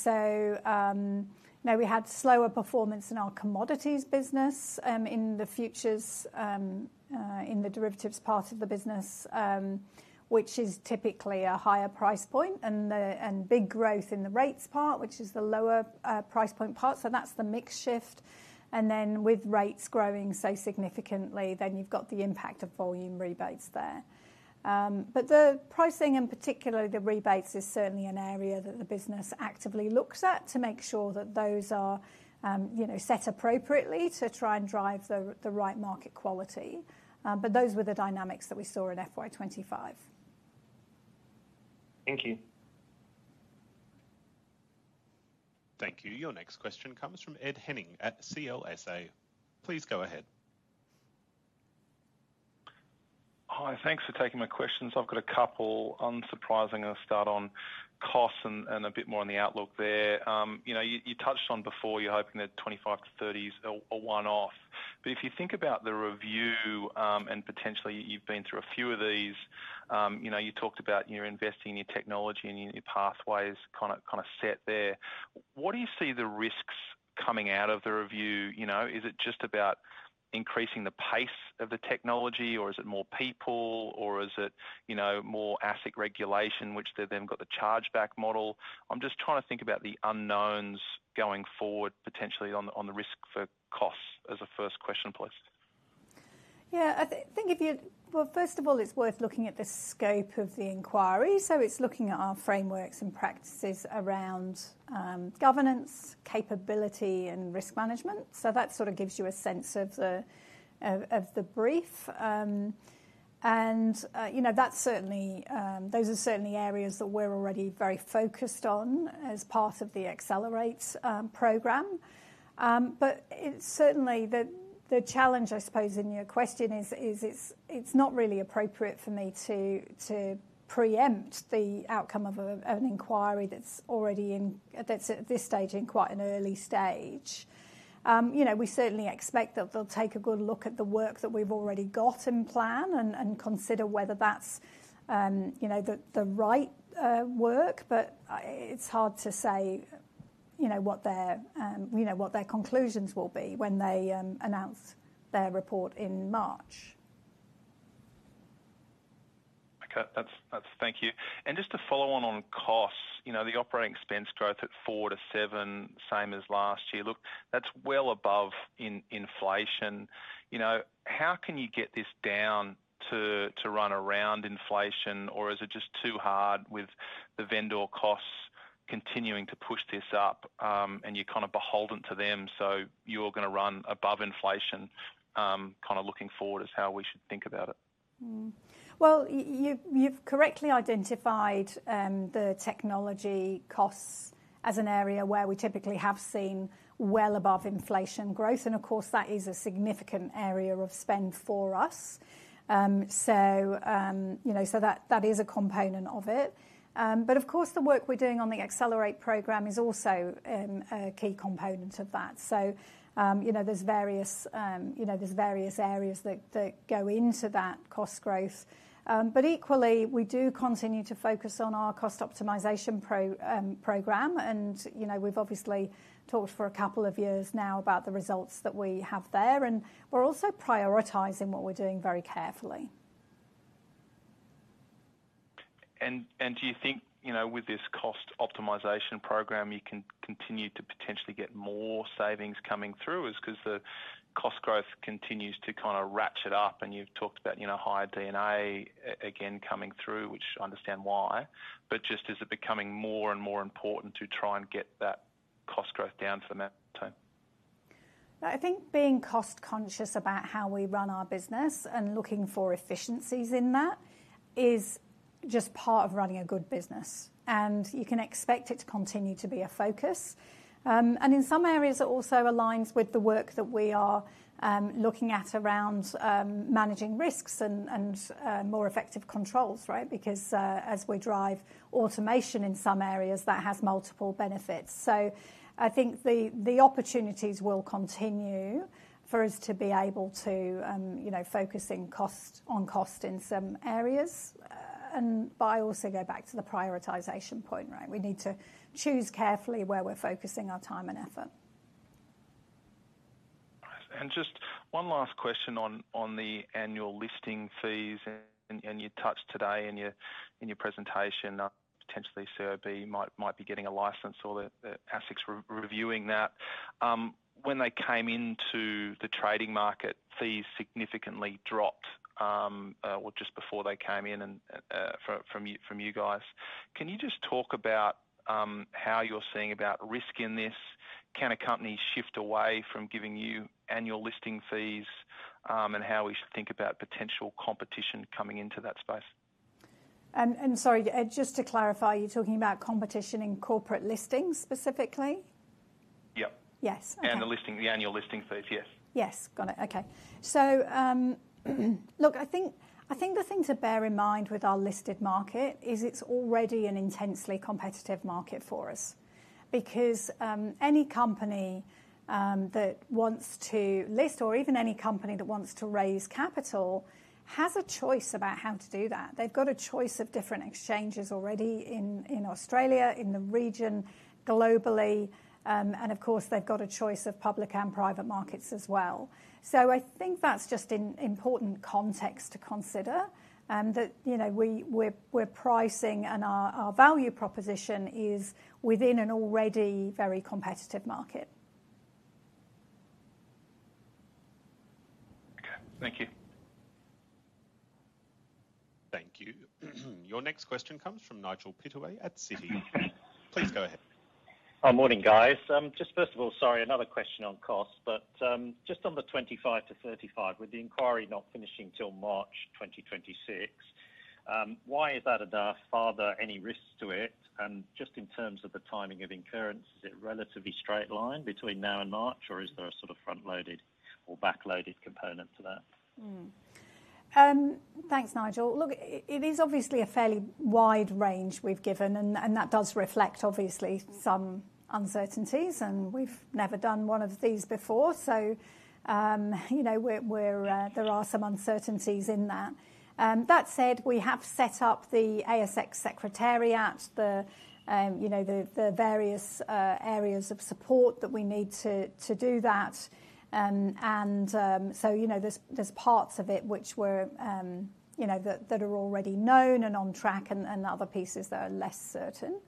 had slower performance in our commodities business, in the futures, in the derivatives part of the business, which is typically a higher price point, and big growth in the rates part, which is the lower price point part. That's the mixed shift. With rates growing so significantly, you've got the impact of volume rebates there. The pricing, and particularly the rebates, is certainly an area that the business actively looks at to make sure that those are set appropriately to try and drive the right market quality. Those were the dynamics that we saw in FY 2025. Thank you. Thank you. Your next question comes from Ed Henning at CLSA. Please go ahead. Hi, thanks for taking my questions. I've got a couple, unsurprising. I'll start on costs and a bit more on the outlook there. You touched on before you're hoping that $25 million-$30 million is a one-off. If you think about the review, and potentially you've been through a few of these, you talked about you're investing in your technology and your pathway's kind of set there. What do you see the risks coming out of the review? Is it just about increasing the pace of the technology, or is it more people, or is it more ASIC regulation, which they've then got the chargeback model? I'm just trying to think about the unknowns going forward, potentially on the risk for costs as a first question, please. I think if you're, first of all, it's worth looking at the scope of the inquiry. It's looking at our frameworks and practices around governance, capability, and risk management. That gives you a sense of the brief. Those are certainly areas that we're already very focused on as part of the Accelerate programme. The challenge, I suppose, in your question is it's not really appropriate for me to preempt the outcome of an inquiry that's at this stage in quite an early stage. We certainly expect that they'll take a good look at the work that we've already got in plan and consider whether that's the right work. It's hard to say what their conclusions will be when they announce their report in March. Thank you. Just to follow on costs, the operating expense growth at 4%-7%, same as last year, that's well above inflation. How can you get this down to run around inflation, or is it just too hard with the vendor costs continuing to push this up, and you're kind of beholden to them? You're going to run above inflation, kind of looking forward as how we should think about it. You've correctly identified the technology costs as an area where we typically have seen well above inflation growth. Of course, that is a significant area of spend for us. That is a component of it. The work we're doing on the Accelerate programme is also a key component of that. There are various areas that go into that cost growth. Equally, we do continue to focus on our cost optimisation programme. We've obviously talked for a couple of years now about the results that we have there, and we're also prioritising what we're doing very carefully. Do you think with this cost optimisation programme, you can continue to potentially get more savings coming through? The cost growth continues to kind of ratchet up, and you've talked about higher D&A again coming through, which I understand why. Is it becoming more and more important to try and get that cost growth down for the time? I think being cost-conscious about how we run our business and looking for efficiencies in that is just part of running a good business. You can expect it to continue to be a focus. In some areas, it also aligns with the work that we are looking at around managing risks and more effective controls, right? As we drive automation in some areas, that has multiple benefits. I think the opportunities will continue for us to be able to focus on cost in some areas. I also go back to the prioritization point, right? We need to choose carefully where we're focusing our time and effort. Just one last question on the annual listing fees. You touched today in your presentation that potentially CRB might be getting a license or the ASIC is reviewing that. When they came into the trading market, fees significantly dropped, or just before they came in from you guys. Can you talk about how you're seeing risk in this? Can a company shift away from giving you annual listing fees and how we should think about potential competition coming into that space? Sorry, just to clarify, you're talking about competition in corporate listings specifically? Yep. Yes. The annual listing fees, yes. Yes, got it. OK. I think the thing to bear in mind with our listed market is it's already an intensely competitive market for us. Because any company that wants to list, or even any company that wants to raise capital, has a choice about how to do that. They've got a choice of different exchanges already in Australia, in the region, globally. Of course, they've got a choice of public and private markets as well. I think that's just an important context to consider, that our pricing and our value proposition is within an already very competitive market. Thank you. Thank you. Your next question comes from Nigel Pittaway at Citi. Please go ahead. Morning, guys. Just first of all, sorry, another question on costs, but just on the $25 million-$35 million, with the inquiry not finishing till March 2026, why is that enough? Are there any risks to it? Just in terms of the timing of incurrence, is it a relatively straight line between now and March, or is there a sort of front-loaded or back-loaded component to that? Thanks, Nigel. It is obviously a fairly wide range we've given, and that does reflect some uncertainties. We've never done one of these before, so there are some uncertainties in that. That said, we have set up the ASX secretariat and the various areas of support that we need to do that. There are parts of it which are already known and on track, and other pieces that are less certain.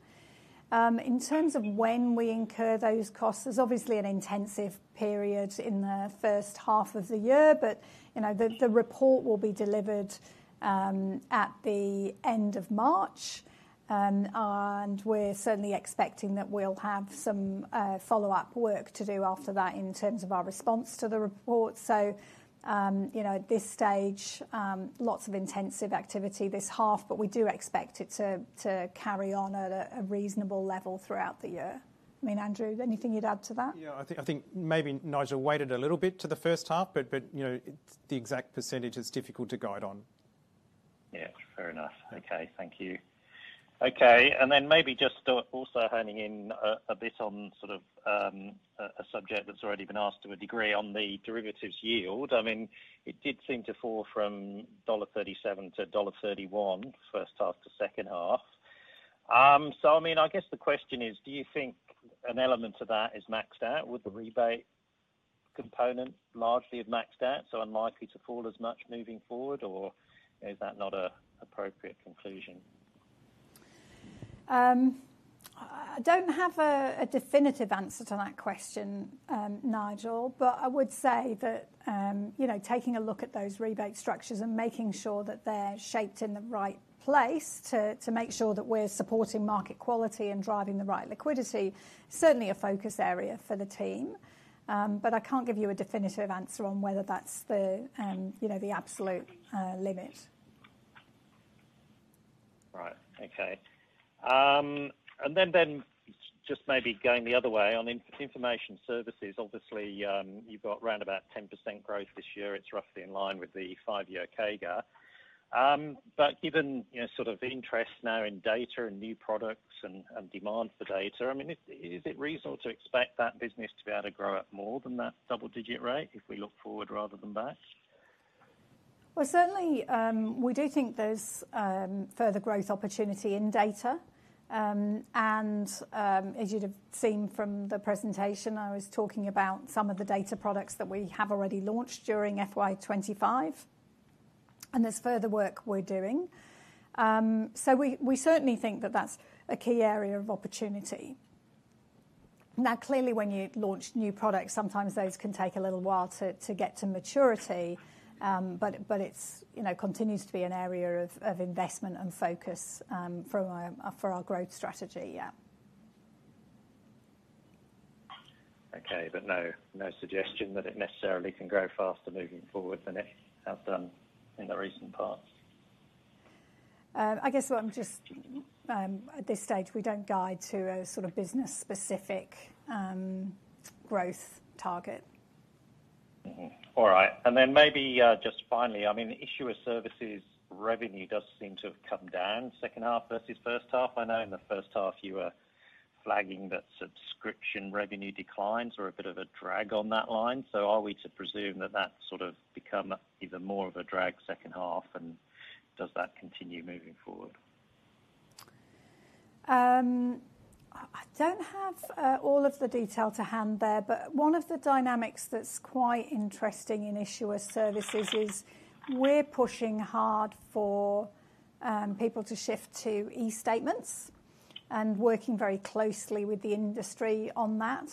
In terms of when we incur those costs, there's obviously an intensive period in the first half of the year, but the report will be delivered at the end of March. We're certainly expecting that we'll have some follow-up work to do after that in terms of our response to the report. At this stage, lots of intensive activity this half, but we do expect it to carry on at a reasonable level throughout the year. I mean, Andrew, anything you'd add to that? Yeah, I think maybe Nigel weighted a little bit to the first half, but you know, the exact percentage is difficult to guide on. Yeah, fair enough. OK, thank you. OK, and then maybe just also honing in a bit on sort of a subject that's already been asked to a degree on the derivatives yield. It did seem to fall from $1.37 to $1.31 first half to second half. I guess the question is, do you think an element of that is maxed out? Would the rebate component largely have maxed out, so unlikely to fall as much moving forward, or is that not an appropriate conclusion? I don't have a definitive answer to that question, Nigel. I would say that, you know, taking a look at those rebate structures and making sure that they're shaped in the right place to make sure that we're supporting market quality and driving the right liquidity is certainly a focus area for the team. I can't give you a definitive answer on whether that's the absolute limit. Right, OK. Maybe going the other way, on information services, obviously, you've got around about 10% growth this year. It's roughly in line with the five-year CAGR. Given sort of interest now in data and new products and demand for data, is it reasonable to expect that business to be able to grow at more than that double-digit rate if we look forward rather than back? Certainly, we do think there's further growth opportunity in data. As you'd have seen from the presentation, I was talking about some of the data products that we have already launched during FY 2025, and there's further work we're doing. We certainly think that that's a key area of opportunity. Clearly, when you launch new products, sometimes those can take a little while to get to maturity, but it continues to be an area of investment and focus for our growth strategy, yeah. OK, no suggestion that it necessarily can grow faster moving forward than it has done in the recent past? I guess at this stage, we don't guide to a sort of business-specific growth target. All right. Maybe just finally, the issue of services revenue does seem to have come down second half versus first half. I know in the first half, you were flagging that subscription revenue declines are a bit of a drag on that line. Are we to presume that that's sort of become even more of a drag second half, and does that continue moving forward? I don't have all of the detail to hand there, but one of the dynamics that's quite interesting in issuers' services is we're pushing hard for people to shift to e-statements and working very closely with the industry on that.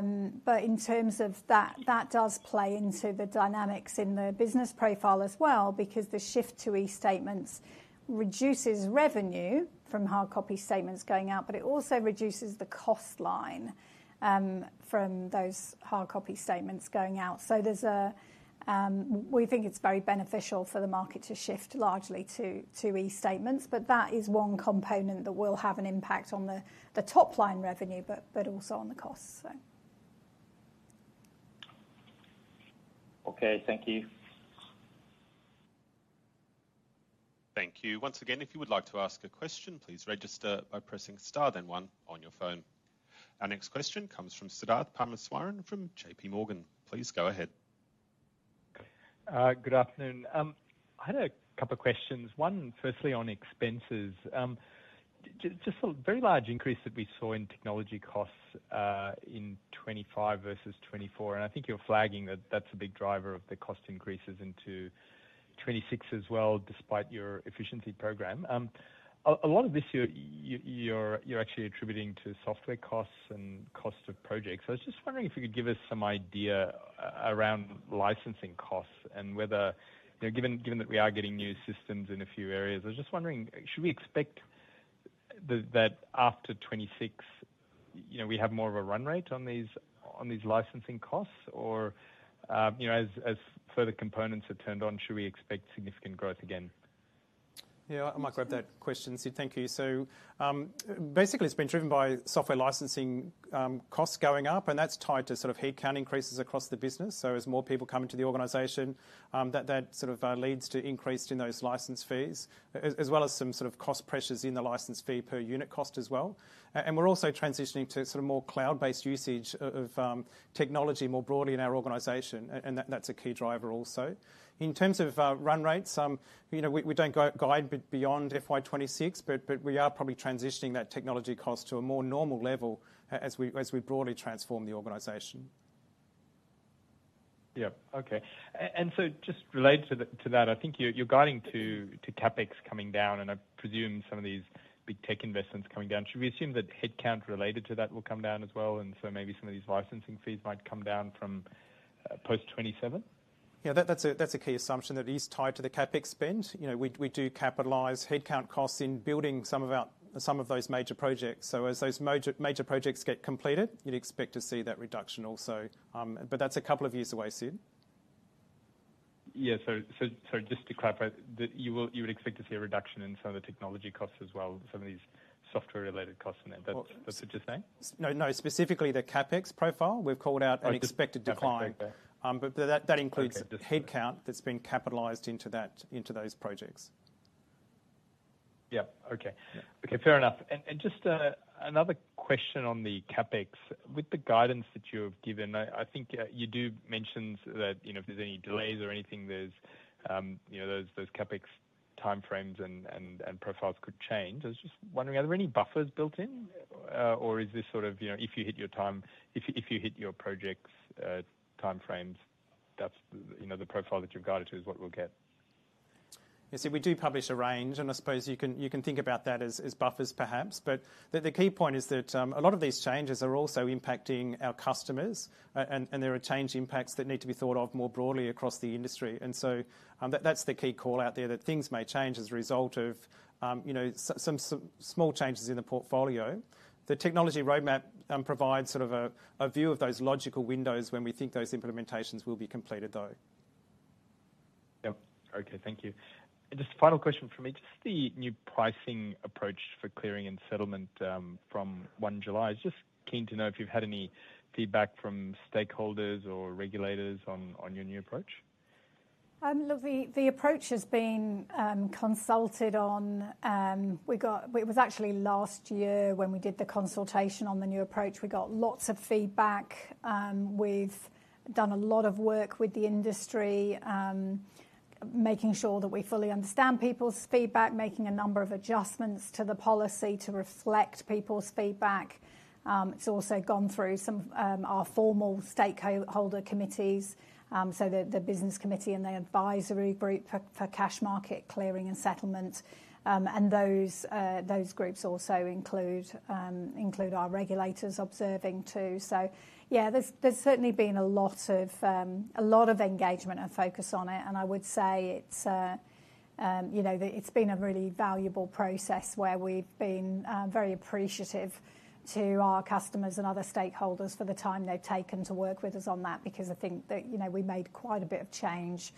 In terms of that, that does play into the dynamics in the business profile as well, because the shift to e-statements reduces revenue from hard copy statements going out, but it also reduces the cost line from those hard copy statements going out. We think it's very beneficial for the market to shift largely to e-statements. That is one component that will have an impact on the top line revenue, but also on the costs. OK, thank you. Thank you. Once again, if you would like to ask a question, please register by pressing *1 on your phone. Our next question comes from Siddharth Parameswaran from JPMorgan. Please go ahead. Good afternoon. I had a couple of questions. One, firstly, on expenses. Just a very large increase that we saw in technology costs in 2025 versus 2024. I think you're flagging that that's a big driver of the cost increases into 2026 as well, despite your efficiency program. A lot of this year, you're actually attributing to software costs and cost of projects. I was just wondering if you could give us some idea around licensing costs and whether, given that we are getting new systems in a few areas, I was just wondering, should we expect that after 2026, we have more of a run rate on these licensing costs, or as further components are turned on, should we expect significant growth again? Yeah, I might grab that question. Thank you. Basically, it's been driven by software licensing costs going up, and that's tied to sort of headcount increases across the business. As more people come into the organization, that sort of leads to increase in those license fees, as well as some sort of cost pressures in the license fee per unit cost as well. We're also transitioning to more cloud-based usage of technology more broadly in our organization, and that's a key driver also. In terms of run rates, we don't guide beyond FY 2026, but we are probably transitioning that technology cost to a more normal level as we broadly transform the organization. OK. Just related to that, I think you're guiding to CapEx coming down, and I presume some of these big tech investments coming down. Should we assume that headcount related to that will come down as well, and maybe some of these licensing fees might come down from post 2027? Yeah, that's a key assumption that is tied to the CapEx spend. We do capitalize headcount costs in building some of those major projects. As those major projects get completed, you'd expect to see that reduction also. That's a couple of years away, Sid. Sorry, just to clarify, you would expect to see a reduction in some of the technology costs as well, some of these software-related costs in there. That's what you're saying? No, specifically the CapEx profile. We've called out an expected decline, but that includes headcount that's been capitalized into those projects. OK, fair enough. Just another question on the CapEx. With the guidance that you have given, I think you do mention that if there's any delays or anything, those CapEx timeframes and profiles could change. I was just wondering, are there any buffers built in, or is this sort of, you know, if you hit your projects timeframes, that's the profile that you're guided to is what we'll get? Yeah, we do publish a range, and I suppose you can think about that as buffers perhaps. The key point is that a lot of these changes are also impacting our customers, and there are change impacts that need to be thought of more broadly across the industry. That's the key call out there, that things may change as a result of some small changes in the portfolio. The technology roadmap provides sort of a view of those logical windows when we think those implementations will be completed, though. OK, thank you. Just a final question from me. Just the new pricing approach for clearing and settlement from 1 July. I was just keen to know if you've had any feedback from stakeholders or regulators on your new approach. Look, the approach has been consulted on. It was actually last year when we did the consultation on the new approach. We got lots of feedback. We've done a lot of work with the industry, making sure that we fully understand people's feedback, making a number of adjustments to the policy to reflect people's feedback. It's also gone through some of our formal stakeholder committees, the business committee and the advisory group for cash market clearing and settlement. Those groups also include our regulators observing too. There's certainly been a lot of engagement and focus on it. I would say it's been a really valuable process where we've been very appreciative to our customers and other stakeholders for the time they've taken to work with us on that, because I think that we made quite a bit of change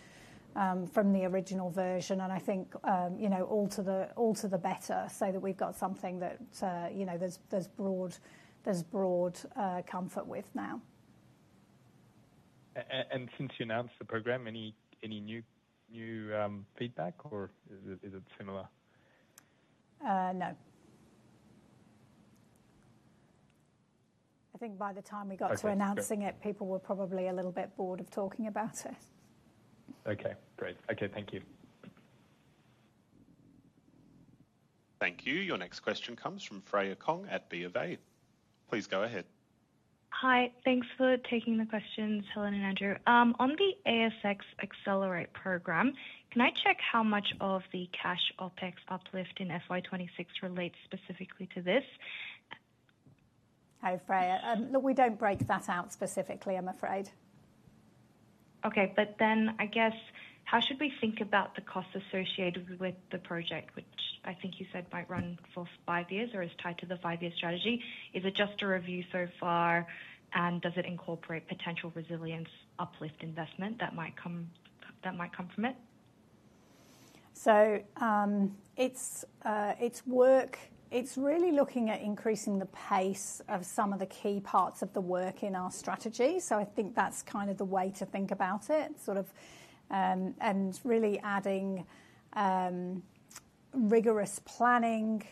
from the original version, and I think all to the better, so that we've got something that there's broad comfort with now. Since you announced the program, any new feedback, or is it similar? No, I think by the time we got to announcing it, people were probably a little bit bored of talking about it. OK, great. Thank you. Thank you. Your next question comes from Freya Kong at BofA. Please go ahead. Hi, thanks for taking the questions, Helen and Andrew. On the ASX Accelerate program, can I check how much of the cash OpEx uplift in FY 2026 relates specifically to this? Oh, Freya, look, we don't break that out specifically, I'm afraid. OK, but then I guess how should we think about the costs associated with the project, which I think you said might run for five years or is tied to the five-year strategy? Is it just a review so far, and does it incorporate potential resilience uplift investment that might come from it? It's really looking at increasing the pace of some of the key parts of the work in our strategy. I think that's kind of the way to think about it, and really adding regular risk planning,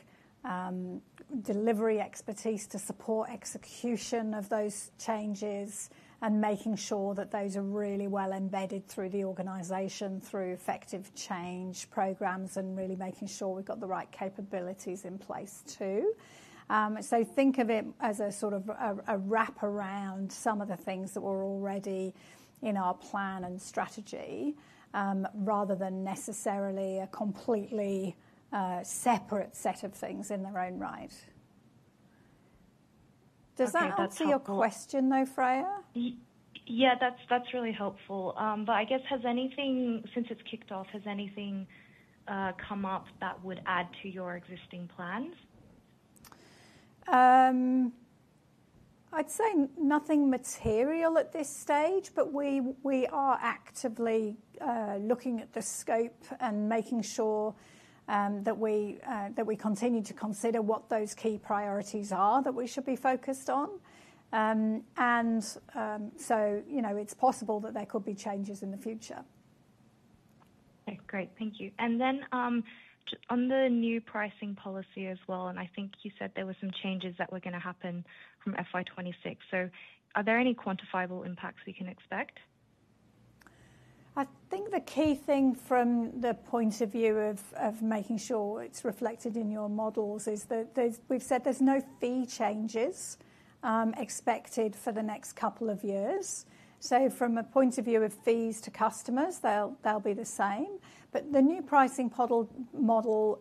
delivery expertise to support execution of those changes, and making sure that those are really well embedded through the organization, through effective change programs, and really making sure we've got the right capabilities in place too. Think of it as a sort of a wrap-around some of the things that were already in our plan and strategy, rather than necessarily a completely separate set of things in their own right. Does that answer your question, though, Freya? Yeah, that's really helpful. I guess has anything, since it's kicked off, has anything come up that would add to your existing plans? I'd say nothing material at this stage, but we are actively looking at the scope and making sure that we continue to consider what those key priorities are that we should be focused on. It's possible that there could be changes in the future. Okay, great. Thank you. On the new pricing policy as well, I think you said there were some changes that were going to happen from FY 2026. Are there any quantifiable impacts we can expect? I think the key thing from the point of view of making sure it's reflected in your models is that we've said there's no fee changes expected for the next couple of years. From a point of view of fees to customers, they'll be the same. The new pricing model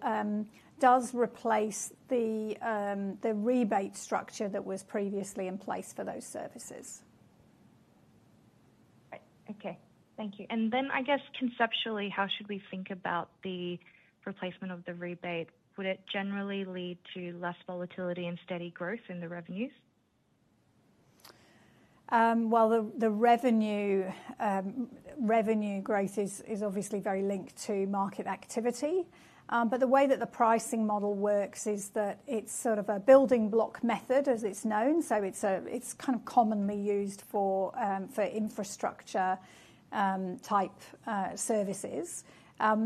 does replace the rebate structure that was previously in place for those services. Okay, thank you. I guess conceptually, how should we think about the replacement of the rebate? Would it generally lead to less volatility and steady growth in the revenues? The revenue growth is obviously very linked to market activity. The way that the pricing model works is that it's sort of a building block method, as it's known. It's kind of commonly used for infrastructure-type services.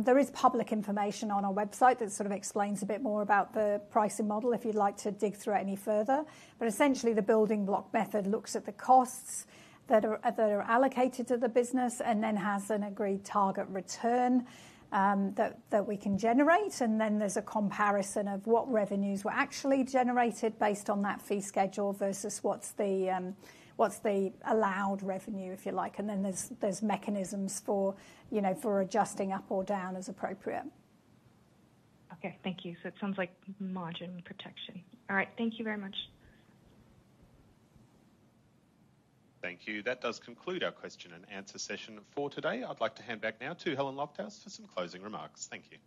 There is public information on our website that sort of explains a bit more about the pricing model if you'd like to dig through it any further. Essentially, the building block method looks at the costs that are allocated to the business and then has an agreed target return that we can generate. There's a comparison of what revenues were actually generated based on that fee schedule versus what's the allowed revenue, if you like. There are mechanisms for adjusting up or down as appropriate. Thank you. It sounds like margin protection. All right, thank you very much. Thank you. That does conclude our question and answer session for today. I'd like to hand back now to Helen Lofthouse for some closing remarks. Thank you.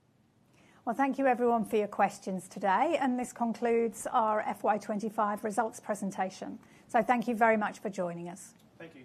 Thank you everyone for your questions today. This concludes our FY 2025 results presentation. Thank you very much for joining us. Thank you.